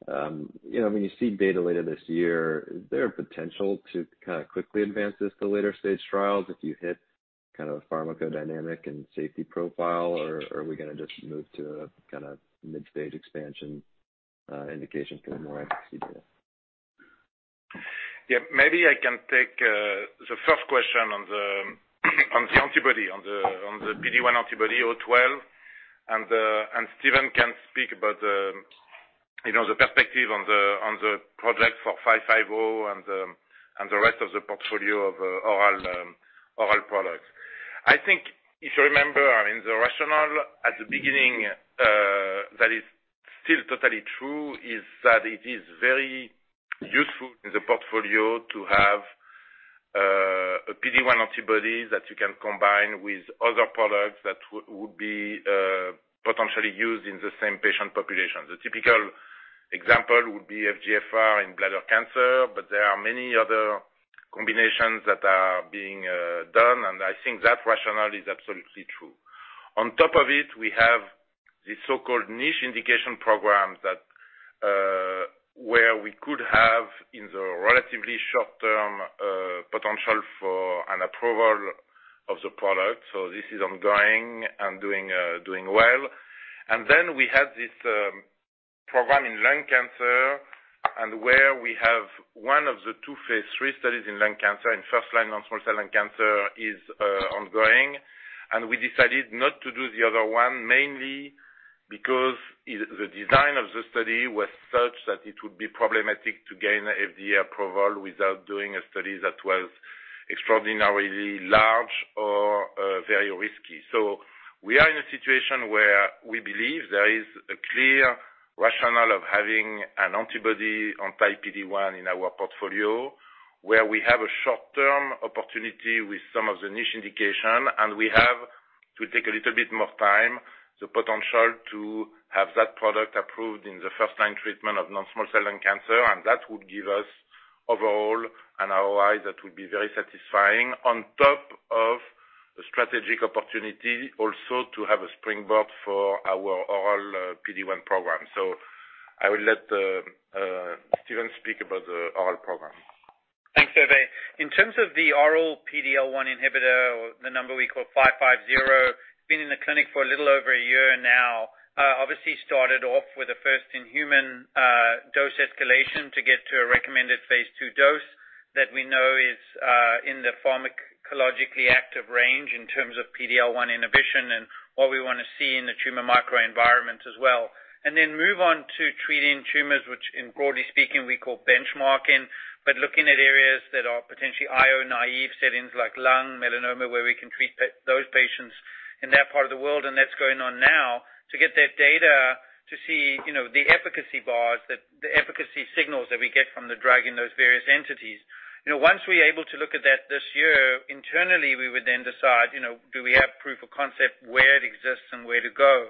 when you see data later this year, is there a potential to kind of quickly advance this to later stage trials if you hit kind of a pharmacodynamic and safety profile, or are we going to just move to a kind of mid-stage expansion indication for more efficacy data? Maybe I can take the first question on the antibody, on the PD-1 antibody 012, and Steven can speak about the perspective on the project for 550 and the rest of the portfolio of oral products. I think if you remember, the rationale at the beginning that is still totally true is that it is very useful in the portfolio to have a PD-1 antibody that you can combine with other products that would be potentially used in the same patient population. The typical example would be FGFR in bladder cancer, there are many other combinations that are being done, I think that rationale is absolutely true. On top of it, we have the so-called niche indication programs where we could have, in the relatively short term, a potential for an approval of the product. This is ongoing and doing well. We had this program in lung cancer and where we have one of the two phase III studies in lung cancer, and first-line non-small cell lung cancer is ongoing. We decided not to do the other one, mainly because the design of the study was such that it would be problematic to gain FDA approval without doing a study that was extraordinarily large or very risky. We are in a situation where we believe there is a clear rationale of having an antibody on type PD-1 in our portfolio, where we have a short-term opportunity with some of the niche indication, and we have to take a little bit more time, the potential to have that product approved in the first-line treatment of non-small cell lung cancer, and that would give us overall an ROI that would be very satisfying. On top of the strategic opportunity, also to have a springboard for our oral PD-1 program. I will let Steven speak about the oral program. Thanks, Hervé. In terms of the oral PD-L1 inhibitor, the number we call 550, been in the clinic for a little over a year now. Obviously started off with a first-in-human dose escalation to get to a recommended phase II dose that we know is in the pharmacologically active range in terms of PD-L1 inhibition and what we want to see in the tumor microenvironment as well. Move on to treating tumors, which in broadly speaking, we call benchmarking, but looking at areas that are potentially IO-naive settings like lung, melanoma, where we can treat those patients in that part of the world, and that's going on now to get that data to see the efficacy bars, the efficacy signals that we get from the drug in those various entities. Once we're able to look at that this year, internally, we would then decide, do we have proof of concept where it exists and where to go?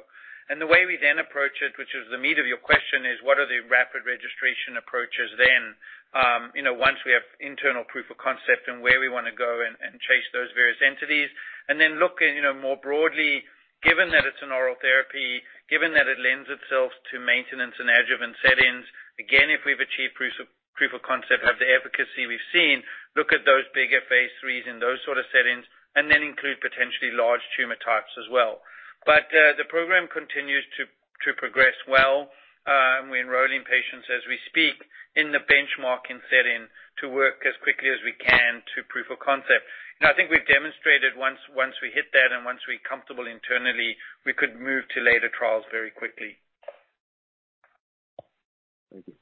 The way we then approach it, which is the meat of your question, is what are the rapid registration approaches then? Once we have internal proof of concept and where we want to go and chase those various entities, then look more broadly, given that it's an oral therapy, given that it lends itself to maintenance and adjuvant settings. Again, if we've achieved proof of concept of the efficacy we've seen, look at those bigger phase IIIs in those sort of settings, then include potentially large tumor types as well. The program continues to progress well. We're enrolling patients as we speak in the benchmarking setting to work as quickly as we can to proof of concept. I think we've demonstrated once we hit that and once we're comfortable internally, we could move to later trials very quickly. Thank you.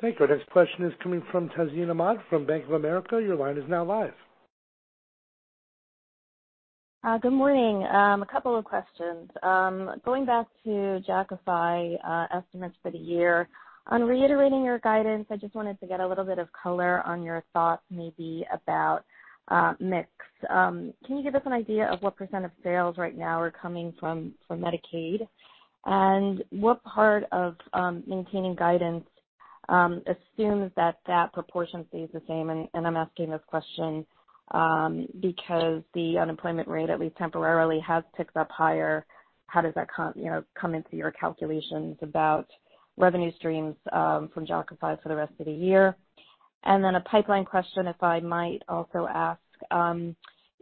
Thank you. Our next question is coming from Tazeen Ahmad from Bank of America. Your line is now live. Good morning. A couple of questions. Going back to Jakafi estimates for the year. On reiterating your guidance, I just wanted to get a little bit of color on your thoughts maybe about mix. Can you give us an idea of what percent of sales right now are coming from Medicaid? What part of maintaining guidance assumes that that proportion stays the same? I'm asking this question because the unemployment rate, at least temporarily, has ticked up higher. How does that come into your calculations about revenue streams from Jakafi for the rest of the year? A pipeline question, if I might also ask.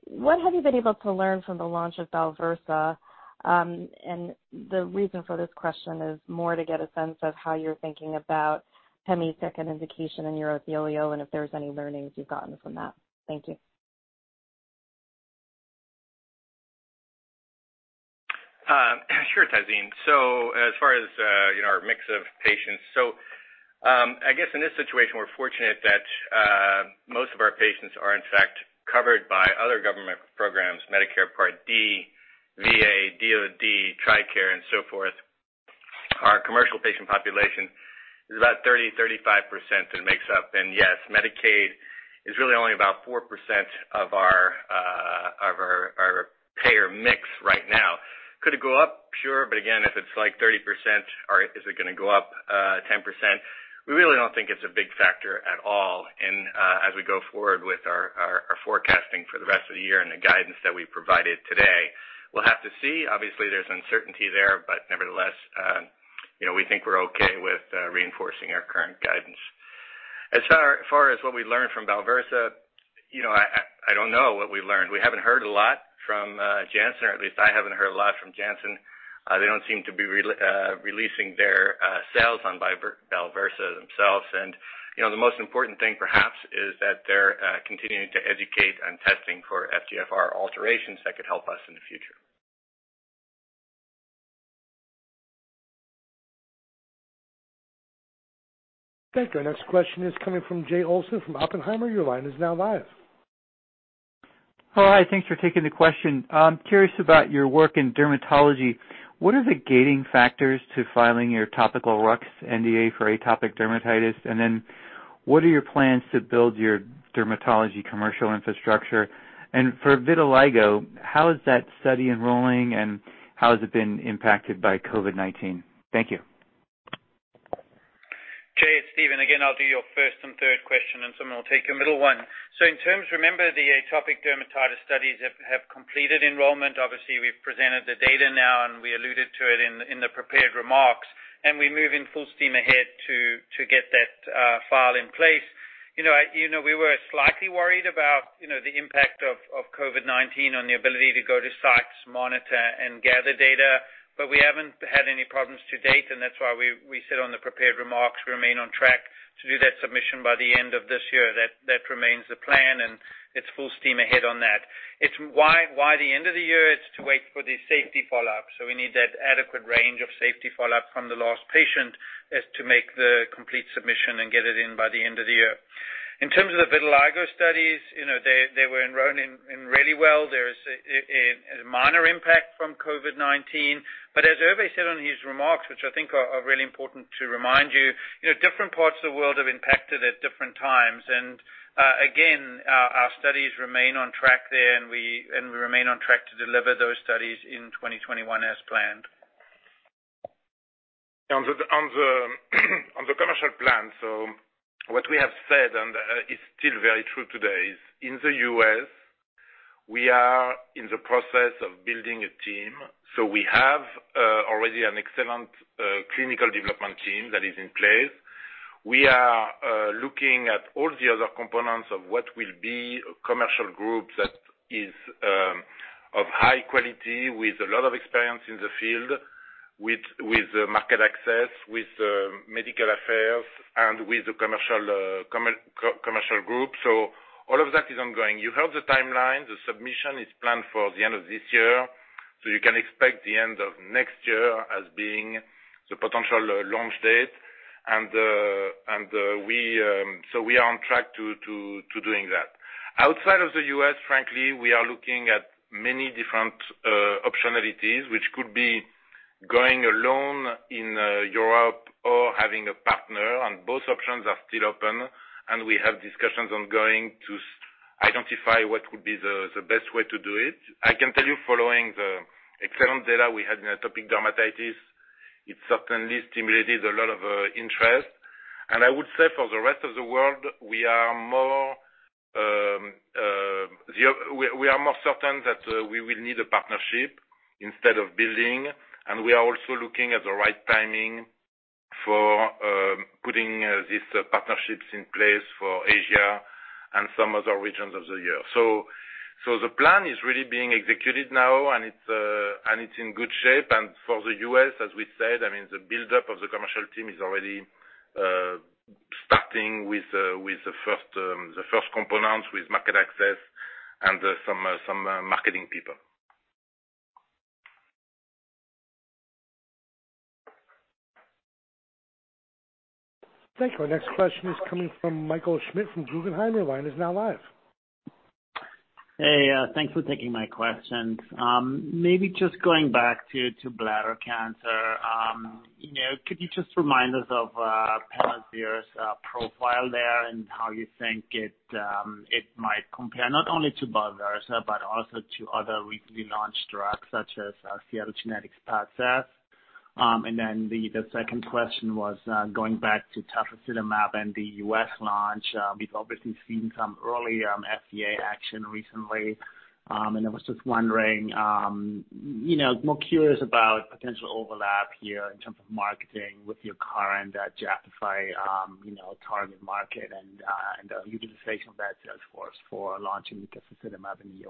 What have you been able to learn from the launch of BALVERSA? The reason for this question is more to get a sense of how you're thinking about pemigatinib and indication in your etiology and if there's any learnings you've gotten from that. Thank you. Sure, Tazeen. As far as our mix of patients. I guess in this situation, we're fortunate that most of our patients are in fact covered by other government programs, Medicare Part D, VA, DOD, TRICARE, and so forth. Our commercial patient population is about 30%-35% it makes up. Yes, Medicaid is really only about 4% of our payer mix right now. Could it go up? Sure. Again, if it's like 30% or is it going to go up 10%? We really don't think it's a big factor at all. As we go forward with our forecasting for the rest of the year and the guidance that we provided today, we'll have to see. Obviously, there's uncertainty there, but nevertheless, we think we're okay with reinforcing our current guidance. As far as what we learned from BALVERSA, I don't know what we learned. We haven't heard a lot from Janssen, or at least I haven't heard a lot from Janssen. They don't seem to be releasing their sales on BALVERSA themselves. The most important thing perhaps is that they're continuing to educate on testing for FGFR alterations that could help us in the future. Thank you. Our next question is coming from Jay Olson from Oppenheimer. Your line is now live. Hi, thanks for taking the question. I'm curious about your work in dermatology. What are the gating factors to filing your topical RUX NDA for atopic dermatitis? What are your plans to build your dermatology commercial infrastructure? For vitiligo, how is that study enrolling, and how has it been impacted by COVID-19? Thank you. Jay, it's Steven again. I'll do your first and third question, and someone will take your middle one. In terms, remember, the atopic dermatitis studies have completed enrollment. Obviously, we've presented the data now, and we alluded to it in the prepared remarks, and we move in full steam ahead to get that file in place. We were slightly worried about the impact of COVID-19 on the ability to go to sites, monitor, and gather data, but we haven't had any problems to date, and that's why we said on the prepared remarks we remain on track to do that submission by the end of this year. That remains the plan, and it's full steam ahead on that. It's why the end of the year? It's to wait for the safety follow-up. We need that adequate range of safety follow-up from the last patient as to make the complete submission and get it in by the end of the year. In terms of the vitiligo studies, they were enrolling in really well. There is a minor impact from COVID-19, but as Hervé said on his remarks, which I think are really important to remind you, different parts of the world have impacted at different times. Again, our studies remain on track there, and we remain on track to deliver those studies in 2021 as planned. On the commercial plan, what we have said, and is still very true today, is in the U.S., we are in the process of building a team. We have already an excellent clinical development team that is in place. We are looking at all the other components of what will be a commercial group that is of high quality, with a lot of experience in the field, with market access, with medical affairs, and with the commercial group. All of that is ongoing. You heard the timeline. The submission is planned for the end of this year. You can expect the end of next year as being the potential launch date. We are on track to doing that. Outside of the U.S., frankly, we are looking at many different optionalities, which could be going alone in Europe or having a partner. Both options are still open. We have discussions ongoing to identify what would be the best way to do it. I can tell you, following the excellent data we had in atopic dermatitis, it certainly stimulated a lot of interest. I would say for the rest of the world, we are more certain that we will need a partnership instead of building. We are also looking at the right timing for putting these partnerships in place for Asia and some other regions of the year. The plan is really being executed now, and it's in good shape. For the U.S., as we said, the buildup of the commercial team is already starting with the first components, with market access and some marketing people. Thank you. Our next question is coming from Michael Schmidt from Guggenheim. Your line is now live. Hey, thanks for taking my questions. Maybe just going back to bladder cancer. Could you just remind us of pemigatinib's profile there and how you think it might compare not only to BAVENCIO, but also to other recently launched drugs such as Seagen's PADCEV? The second question was going back to tafasitamab and the U.S. launch. We've obviously seen some early FDA action recently, and I was just wondering, more curious about potential overlap here in terms of marketing with your current Jakafi target market and utilization of that sales force for launching tafasitamab in the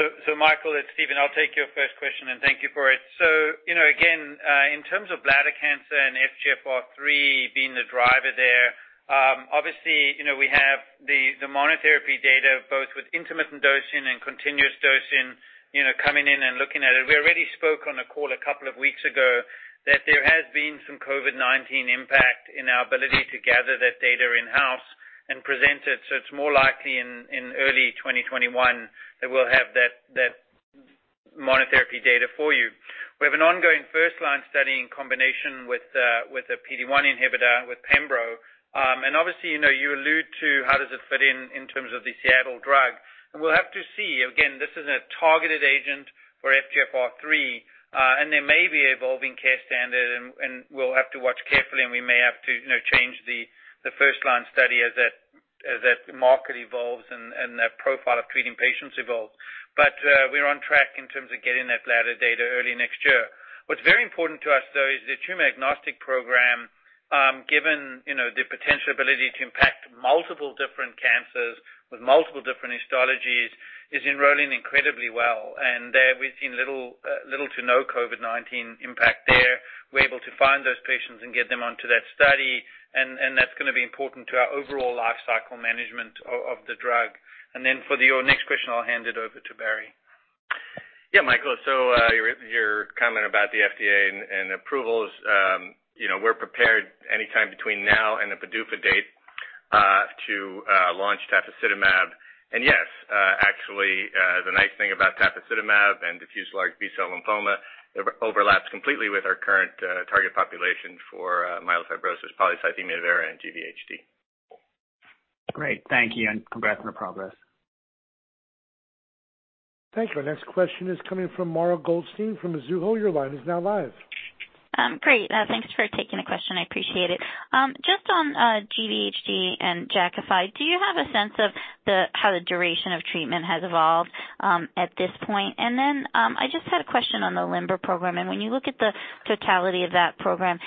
U.S. Michael, it's Steven. I'll take your first question, and thank you for it. Again, in terms of bladder cancer and FGFR3 being the driver there, obviously we have the monotherapy data both with intermittent dosing and continuous dosing coming in and looking at it. We already spoke on the call a couple of weeks ago that there has been some COVID-19 impact in our ability to gather that data in-house and present it. It's more likely in early 2021 that we'll have that monotherapy data for you. We have an ongoing first-line study in combination with a PD-1 inhibitor, with Pembro. Obviously, you allude to how does it fit in in terms of the Seattle drug. We'll have to see.. Again, this is a targeted agent for FGFR3, and there may be evolving care standard, and we'll have to watch carefully, and we may have to change the first-line study as that market evolves and that profile of treating patients evolves. We're on track in terms of getting that bladder data early next year. What's very important to us, though, is the tumor-agnostic program, given the potential ability to impact multiple different cancers with multiple different histologies, is enrolling incredibly well. There we've seen little to no COVID-19 impact there. We're able to find those patients and get them onto that study, and that's going to be important to our overall life cycle management of the drug. For your next question, I'll hand it over to Barry. Yeah, Michael. Your comment about the FDA and approvals, we're prepared anytime between now and the PDUFA date to launch tafasitamab. Yes, actually, the nice thing about tafasitamab and diffuse large B-cell lymphoma, it overlaps completely with our current target population for myelofibrosis, polycythemia vera, and GVHD. Great. Thank you, and congrats on the progress. Thank you. Our next question is coming from Mara Goldstein from Mizuho. Your line is now live. Great. Thanks for taking the question. I appreciate it. Just on GVHD and Jakafi, do you have a sense of how the duration of treatment has evolved at this point? I just had a question on the LIMBER program, and when you look at the totality of that program,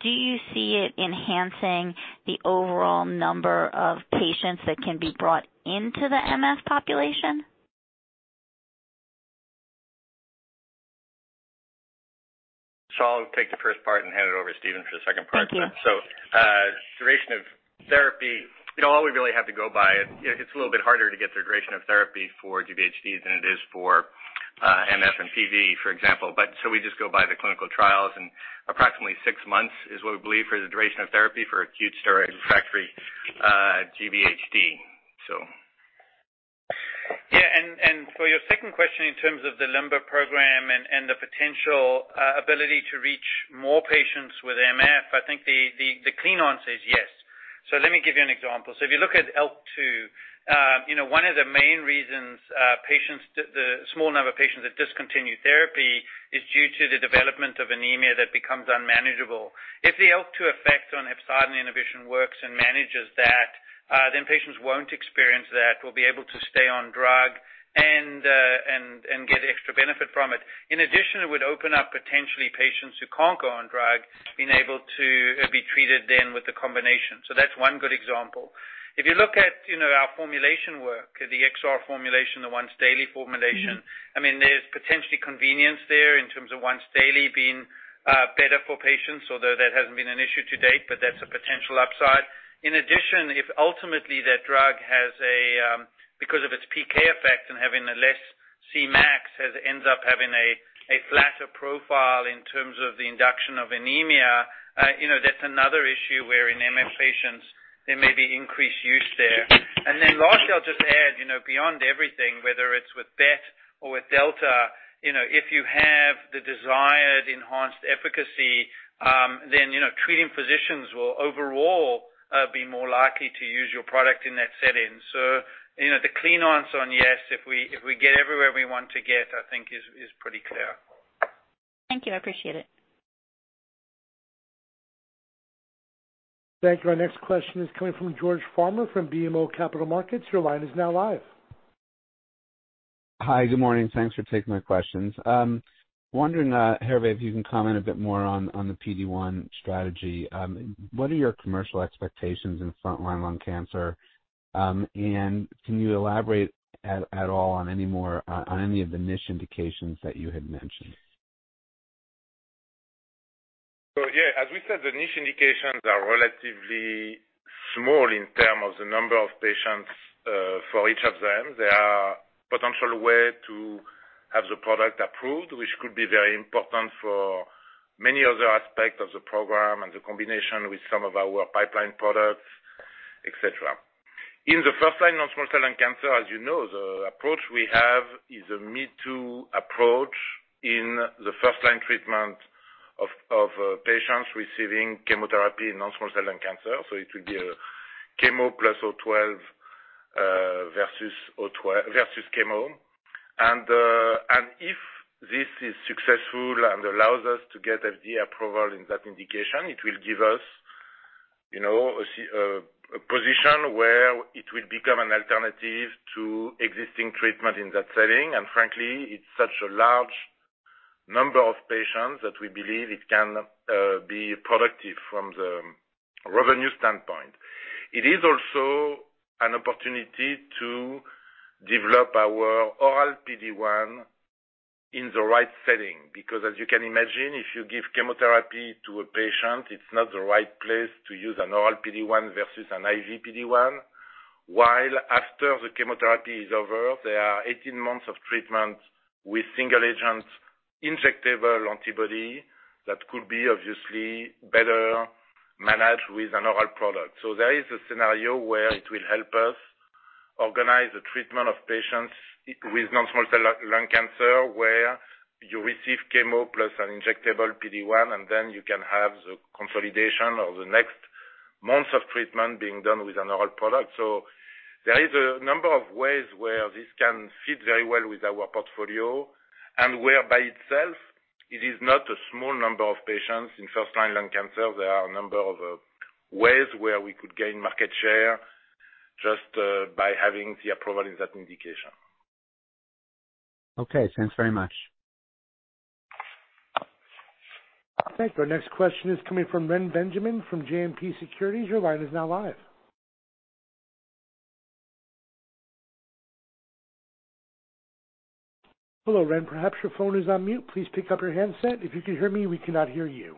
do you see it enhancing the overall number of patients that can be brought into the MF population? I'll take the first part and hand it over to Steven for the second part. Thank you. Duration of therapy, all we really have to go by, it's a little bit harder to get the duration of therapy for GVHDs than it is for MF and PV, for example. We just go by the clinical trials, and approximately six months is what we believe for the duration of therapy for acute steroid-refractory GVHD. Yeah, for your second question, in terms of the LIMBER program and the potential ability to reach more patients with MF, I think the clean answer is yes. Let me give you an example. If you look at ALK2, one of the main reasons the small number of patients that discontinue therapy is due to the development of anemia that becomes unmanageable. If the ALK2 effect on hepcidin inhibition works and manages that, then patients won't experience that, will be able to stay on drug, and get extra benefit from it. In addition, it would open up potentially patients who can't go on drug, being able to be treated then with the combination. That's one good example. If you look at our formulation work, the XR formulation, the once-daily formulation. There's potentially convenience there in terms of once-daily being better for patients, although that hasn't been an issue to date, but that's a potential upside. In addition, if ultimately that drug has a, because of its PK effect and having a less Cmax, ends up having a flatter profile in terms of the induction of anemia, that's another issue where in MF patients, there may be increased use there. Lastly, I'll just add, beyond everything, whether it's with BET or with delta, if you have the desired enhanced efficacy, then treating physicians will overall be more likely to use your product in that setting. The clean answer on yes, if we get everywhere we want to get, I think is pretty clear. Thank you. I appreciate it. Thank you. Our next question is coming from George Farmer from BMO Capital Markets. Your line is now live. Hi. Good morning. Thanks for taking my questions. I'm wondering, Hervé, if you can comment a bit more on the PD-1 strategy. What are your commercial expectations in frontline lung cancer? Can you elaborate at all on any of the niche indications that you had mentioned? Yeah, as we said, the niche indications are relatively small in terms of the number of patients for each of them. There are potential ways to have the product approved, which could be very important for many other aspects of the program and the combination with some of our pipeline products, et cetera. In the first-line non-small cell lung cancer, as you know, the approach we have is a mid-2 approach in the first-line treatment of patients receiving chemotherapy in non-small cell lung cancer. It will be a chemo plus INCB086550 versus chemo. If this is successful and allows us to get FDA approval in that indication, it will give us a position where it will become an alternative to existing treatment in that setting. Frankly, it's such a large number of patients that we believe it can be productive from the revenue standpoint. It is also an opportunity to develop our oral PD-1 in the right setting, because as you can imagine, if you give chemotherapy to a patient, it's not the right place to use an oral PD-1 versus an IV PD-1. While after the chemotherapy is over, there are 18 months of treatment with single agent injectable antibody that could be obviously better managed with an oral product. There is a scenario where it will help us organize the treatment of patients with non-small cell lung cancer, where you receive chemo plus an injectable PD-1, and then you can have the consolidation or the next months of treatment being done with an oral product. There is a number of ways where this can fit very well with our portfolio, and where by itself, it is not a small number of patients in first-line lung cancer. There are a number of ways where we could gain market share just by having the approval in that indication. Okay. Thanks very much. Thank you. Our next question is coming from Ren Benjamin from JMP Securities. Your line is now live. Hello, Ren. Perhaps your phone is on mute. Please pick up your handset. If you can hear me, we cannot hear you.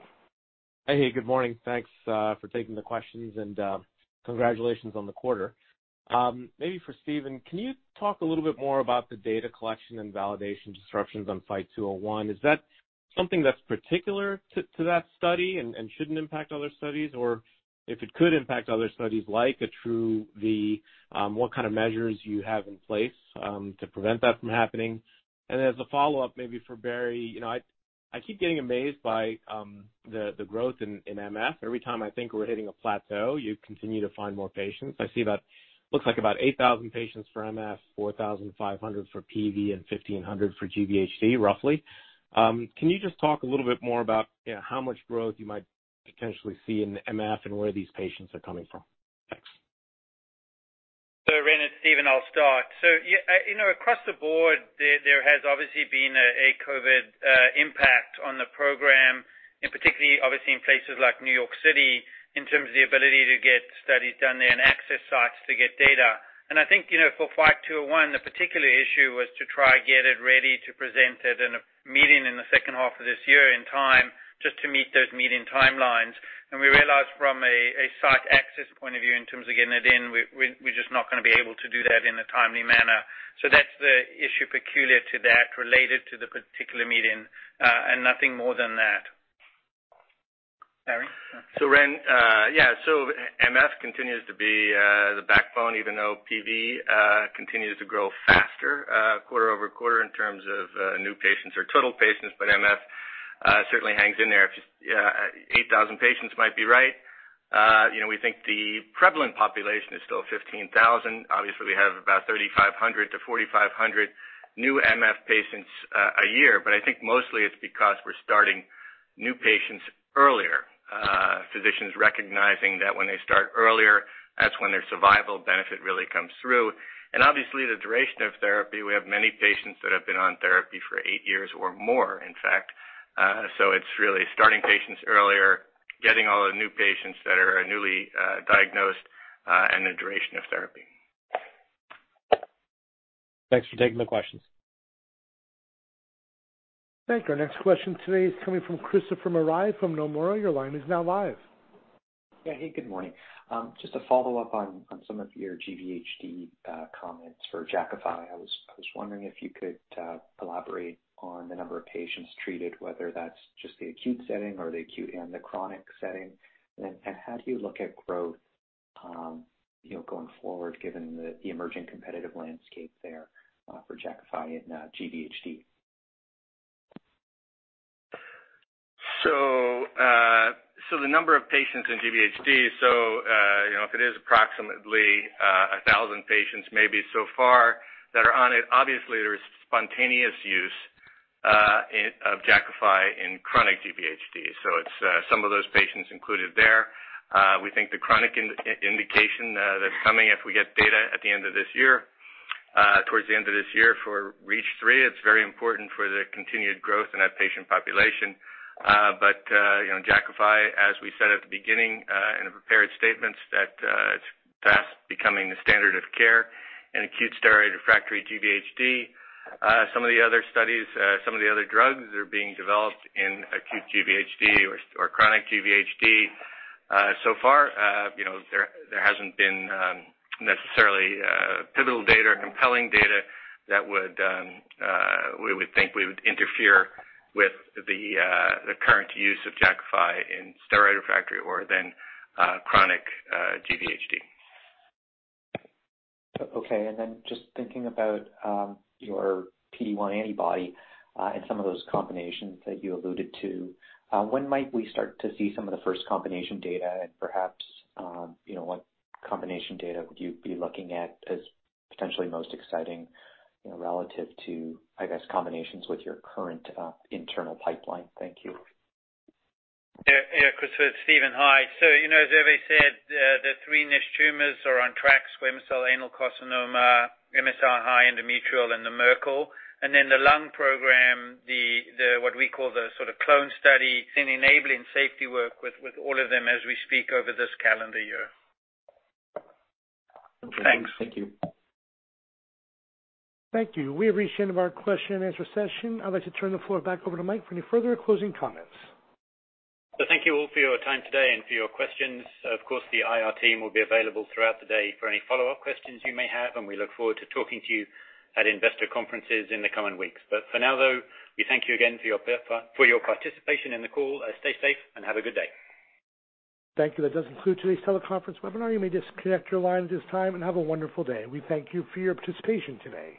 Hey, good morning. Thanks for taking the questions, and congratulations on the quarter. Maybe for Steven, can you talk a little bit more about the data collection and validation disruptions on FIGHT-201? Is that something that's particular to that study and shouldn't impact other studies? If it could impact other studies like TRuE-V, what kind of measures you have in place to prevent that from happening? As a follow-up, maybe for Barry. I keep getting amazed by the growth in MF. Every time I think we're hitting a plateau, you continue to find more patients. I see that looks like about 8,000 patients for MF, 4,500 for PV, and 1,500 for GVHD, roughly. Can you just talk a little bit more about how much growth you might potentially see in MF and where these patients are coming from? Thanks. Ren, it's Steven, I'll start. Across the board, there has obviously been a COVID impact on the program, and particularly obviously in places like New York City, in terms of the ability to get studies done there and access sites to get data. I think, for FIGHT-201, the particular issue was to try get it ready to present it in a meeting in the second half of this year in time just to meet those meeting timelines. We realized from a site access point of view in terms of getting it in, we're just not going to be able to do that in a timely manner. That's the issue peculiar to that related to the particular meeting, and nothing more than that. Barry? Ren, yeah. MF continues to be the backbone, even though PV continues to grow faster quarter-over-quarter in terms of new patients or total patients. MF certainly hangs in there. 8,000 patients might be right. We think the prevalent population is still 15,000. Obviously, we have about 3,500-4,500 new MF patients a year. I think mostly it's because we're starting new patients earlier. Physicians recognizing that when they start earlier, that's when their survival benefit really comes through. Obviously the duration of therapy, we have many patients that have been on therapy for eight years or more, in fact. It's really starting patients earlier, getting all the new patients that are newly diagnosed, and the duration of therapy. Thanks for taking the questions. Thank you. Our next question today is coming from Christopher Marai from Nomura. Your line is now live. Yeah. Hey, good morning. Just a follow-up on some of your GVHD comments for Jakafi. I was wondering if you could elaborate on the number of patients treated, whether that's just the acute setting or the acute and the chronic setting. How do you look at growth going forward given the emerging competitive landscape there for Jakafi in GVHD? The number of patients in GVHD, if it is approximately 1,000 patients maybe so far that are on it, obviously there's spontaneous use of Jakafi in chronic GVHD. It's some of those patients included there. We think the chronic indication that's coming if we get data at the end of this year, towards the end of this year for REACH3, it's very important for the continued growth in that patient population. Jakafi, as we said at the beginning in the prepared statements, that it's fast becoming the standard of care in acute steroid-refractory GVHD. Some of the other studies, some of the other drugs that are being developed in acute GVHD or chronic GVHD. So far there hasn't been necessarily pivotal data or compelling data that we would think we would interfere with the current use of Jakafi in steroid-refractory or then chronic GVHD. Okay. Just thinking about your PD-1 antibody and some of those combinations that you alluded to, when might we start to see some of the first combination data and perhaps what combination data would you be looking at as potentially most exciting relative to combinations with your current internal pipeline? Thank you. Yeah, Christopher, it's Steven. Hi. As Hervé said, the three niche tumors are on track, squamous cell anal carcinoma, MSI high endometrial, and the Merkel. The lung program, what we call the sort of clone study in enabling safety work with all of them as we speak over this calendar year. Thanks. Thank you. Thank you. We have reached the end of our Q&A session. I'd like to turn the floor back over to Mike for any further closing comments. Thank you all for your time today and for your questions. Of course, the IR team will be available throughout the day for any follow-up questions you may have, and we look forward to talking to you at investor conferences in the coming weeks. For now, though, we thank you again for your participation in the call. Stay safe and have a good day. Thank you. That does conclude today's teleconference webinar. You may disconnect your lines at this time and have a wonderful day. We thank you for your participation today.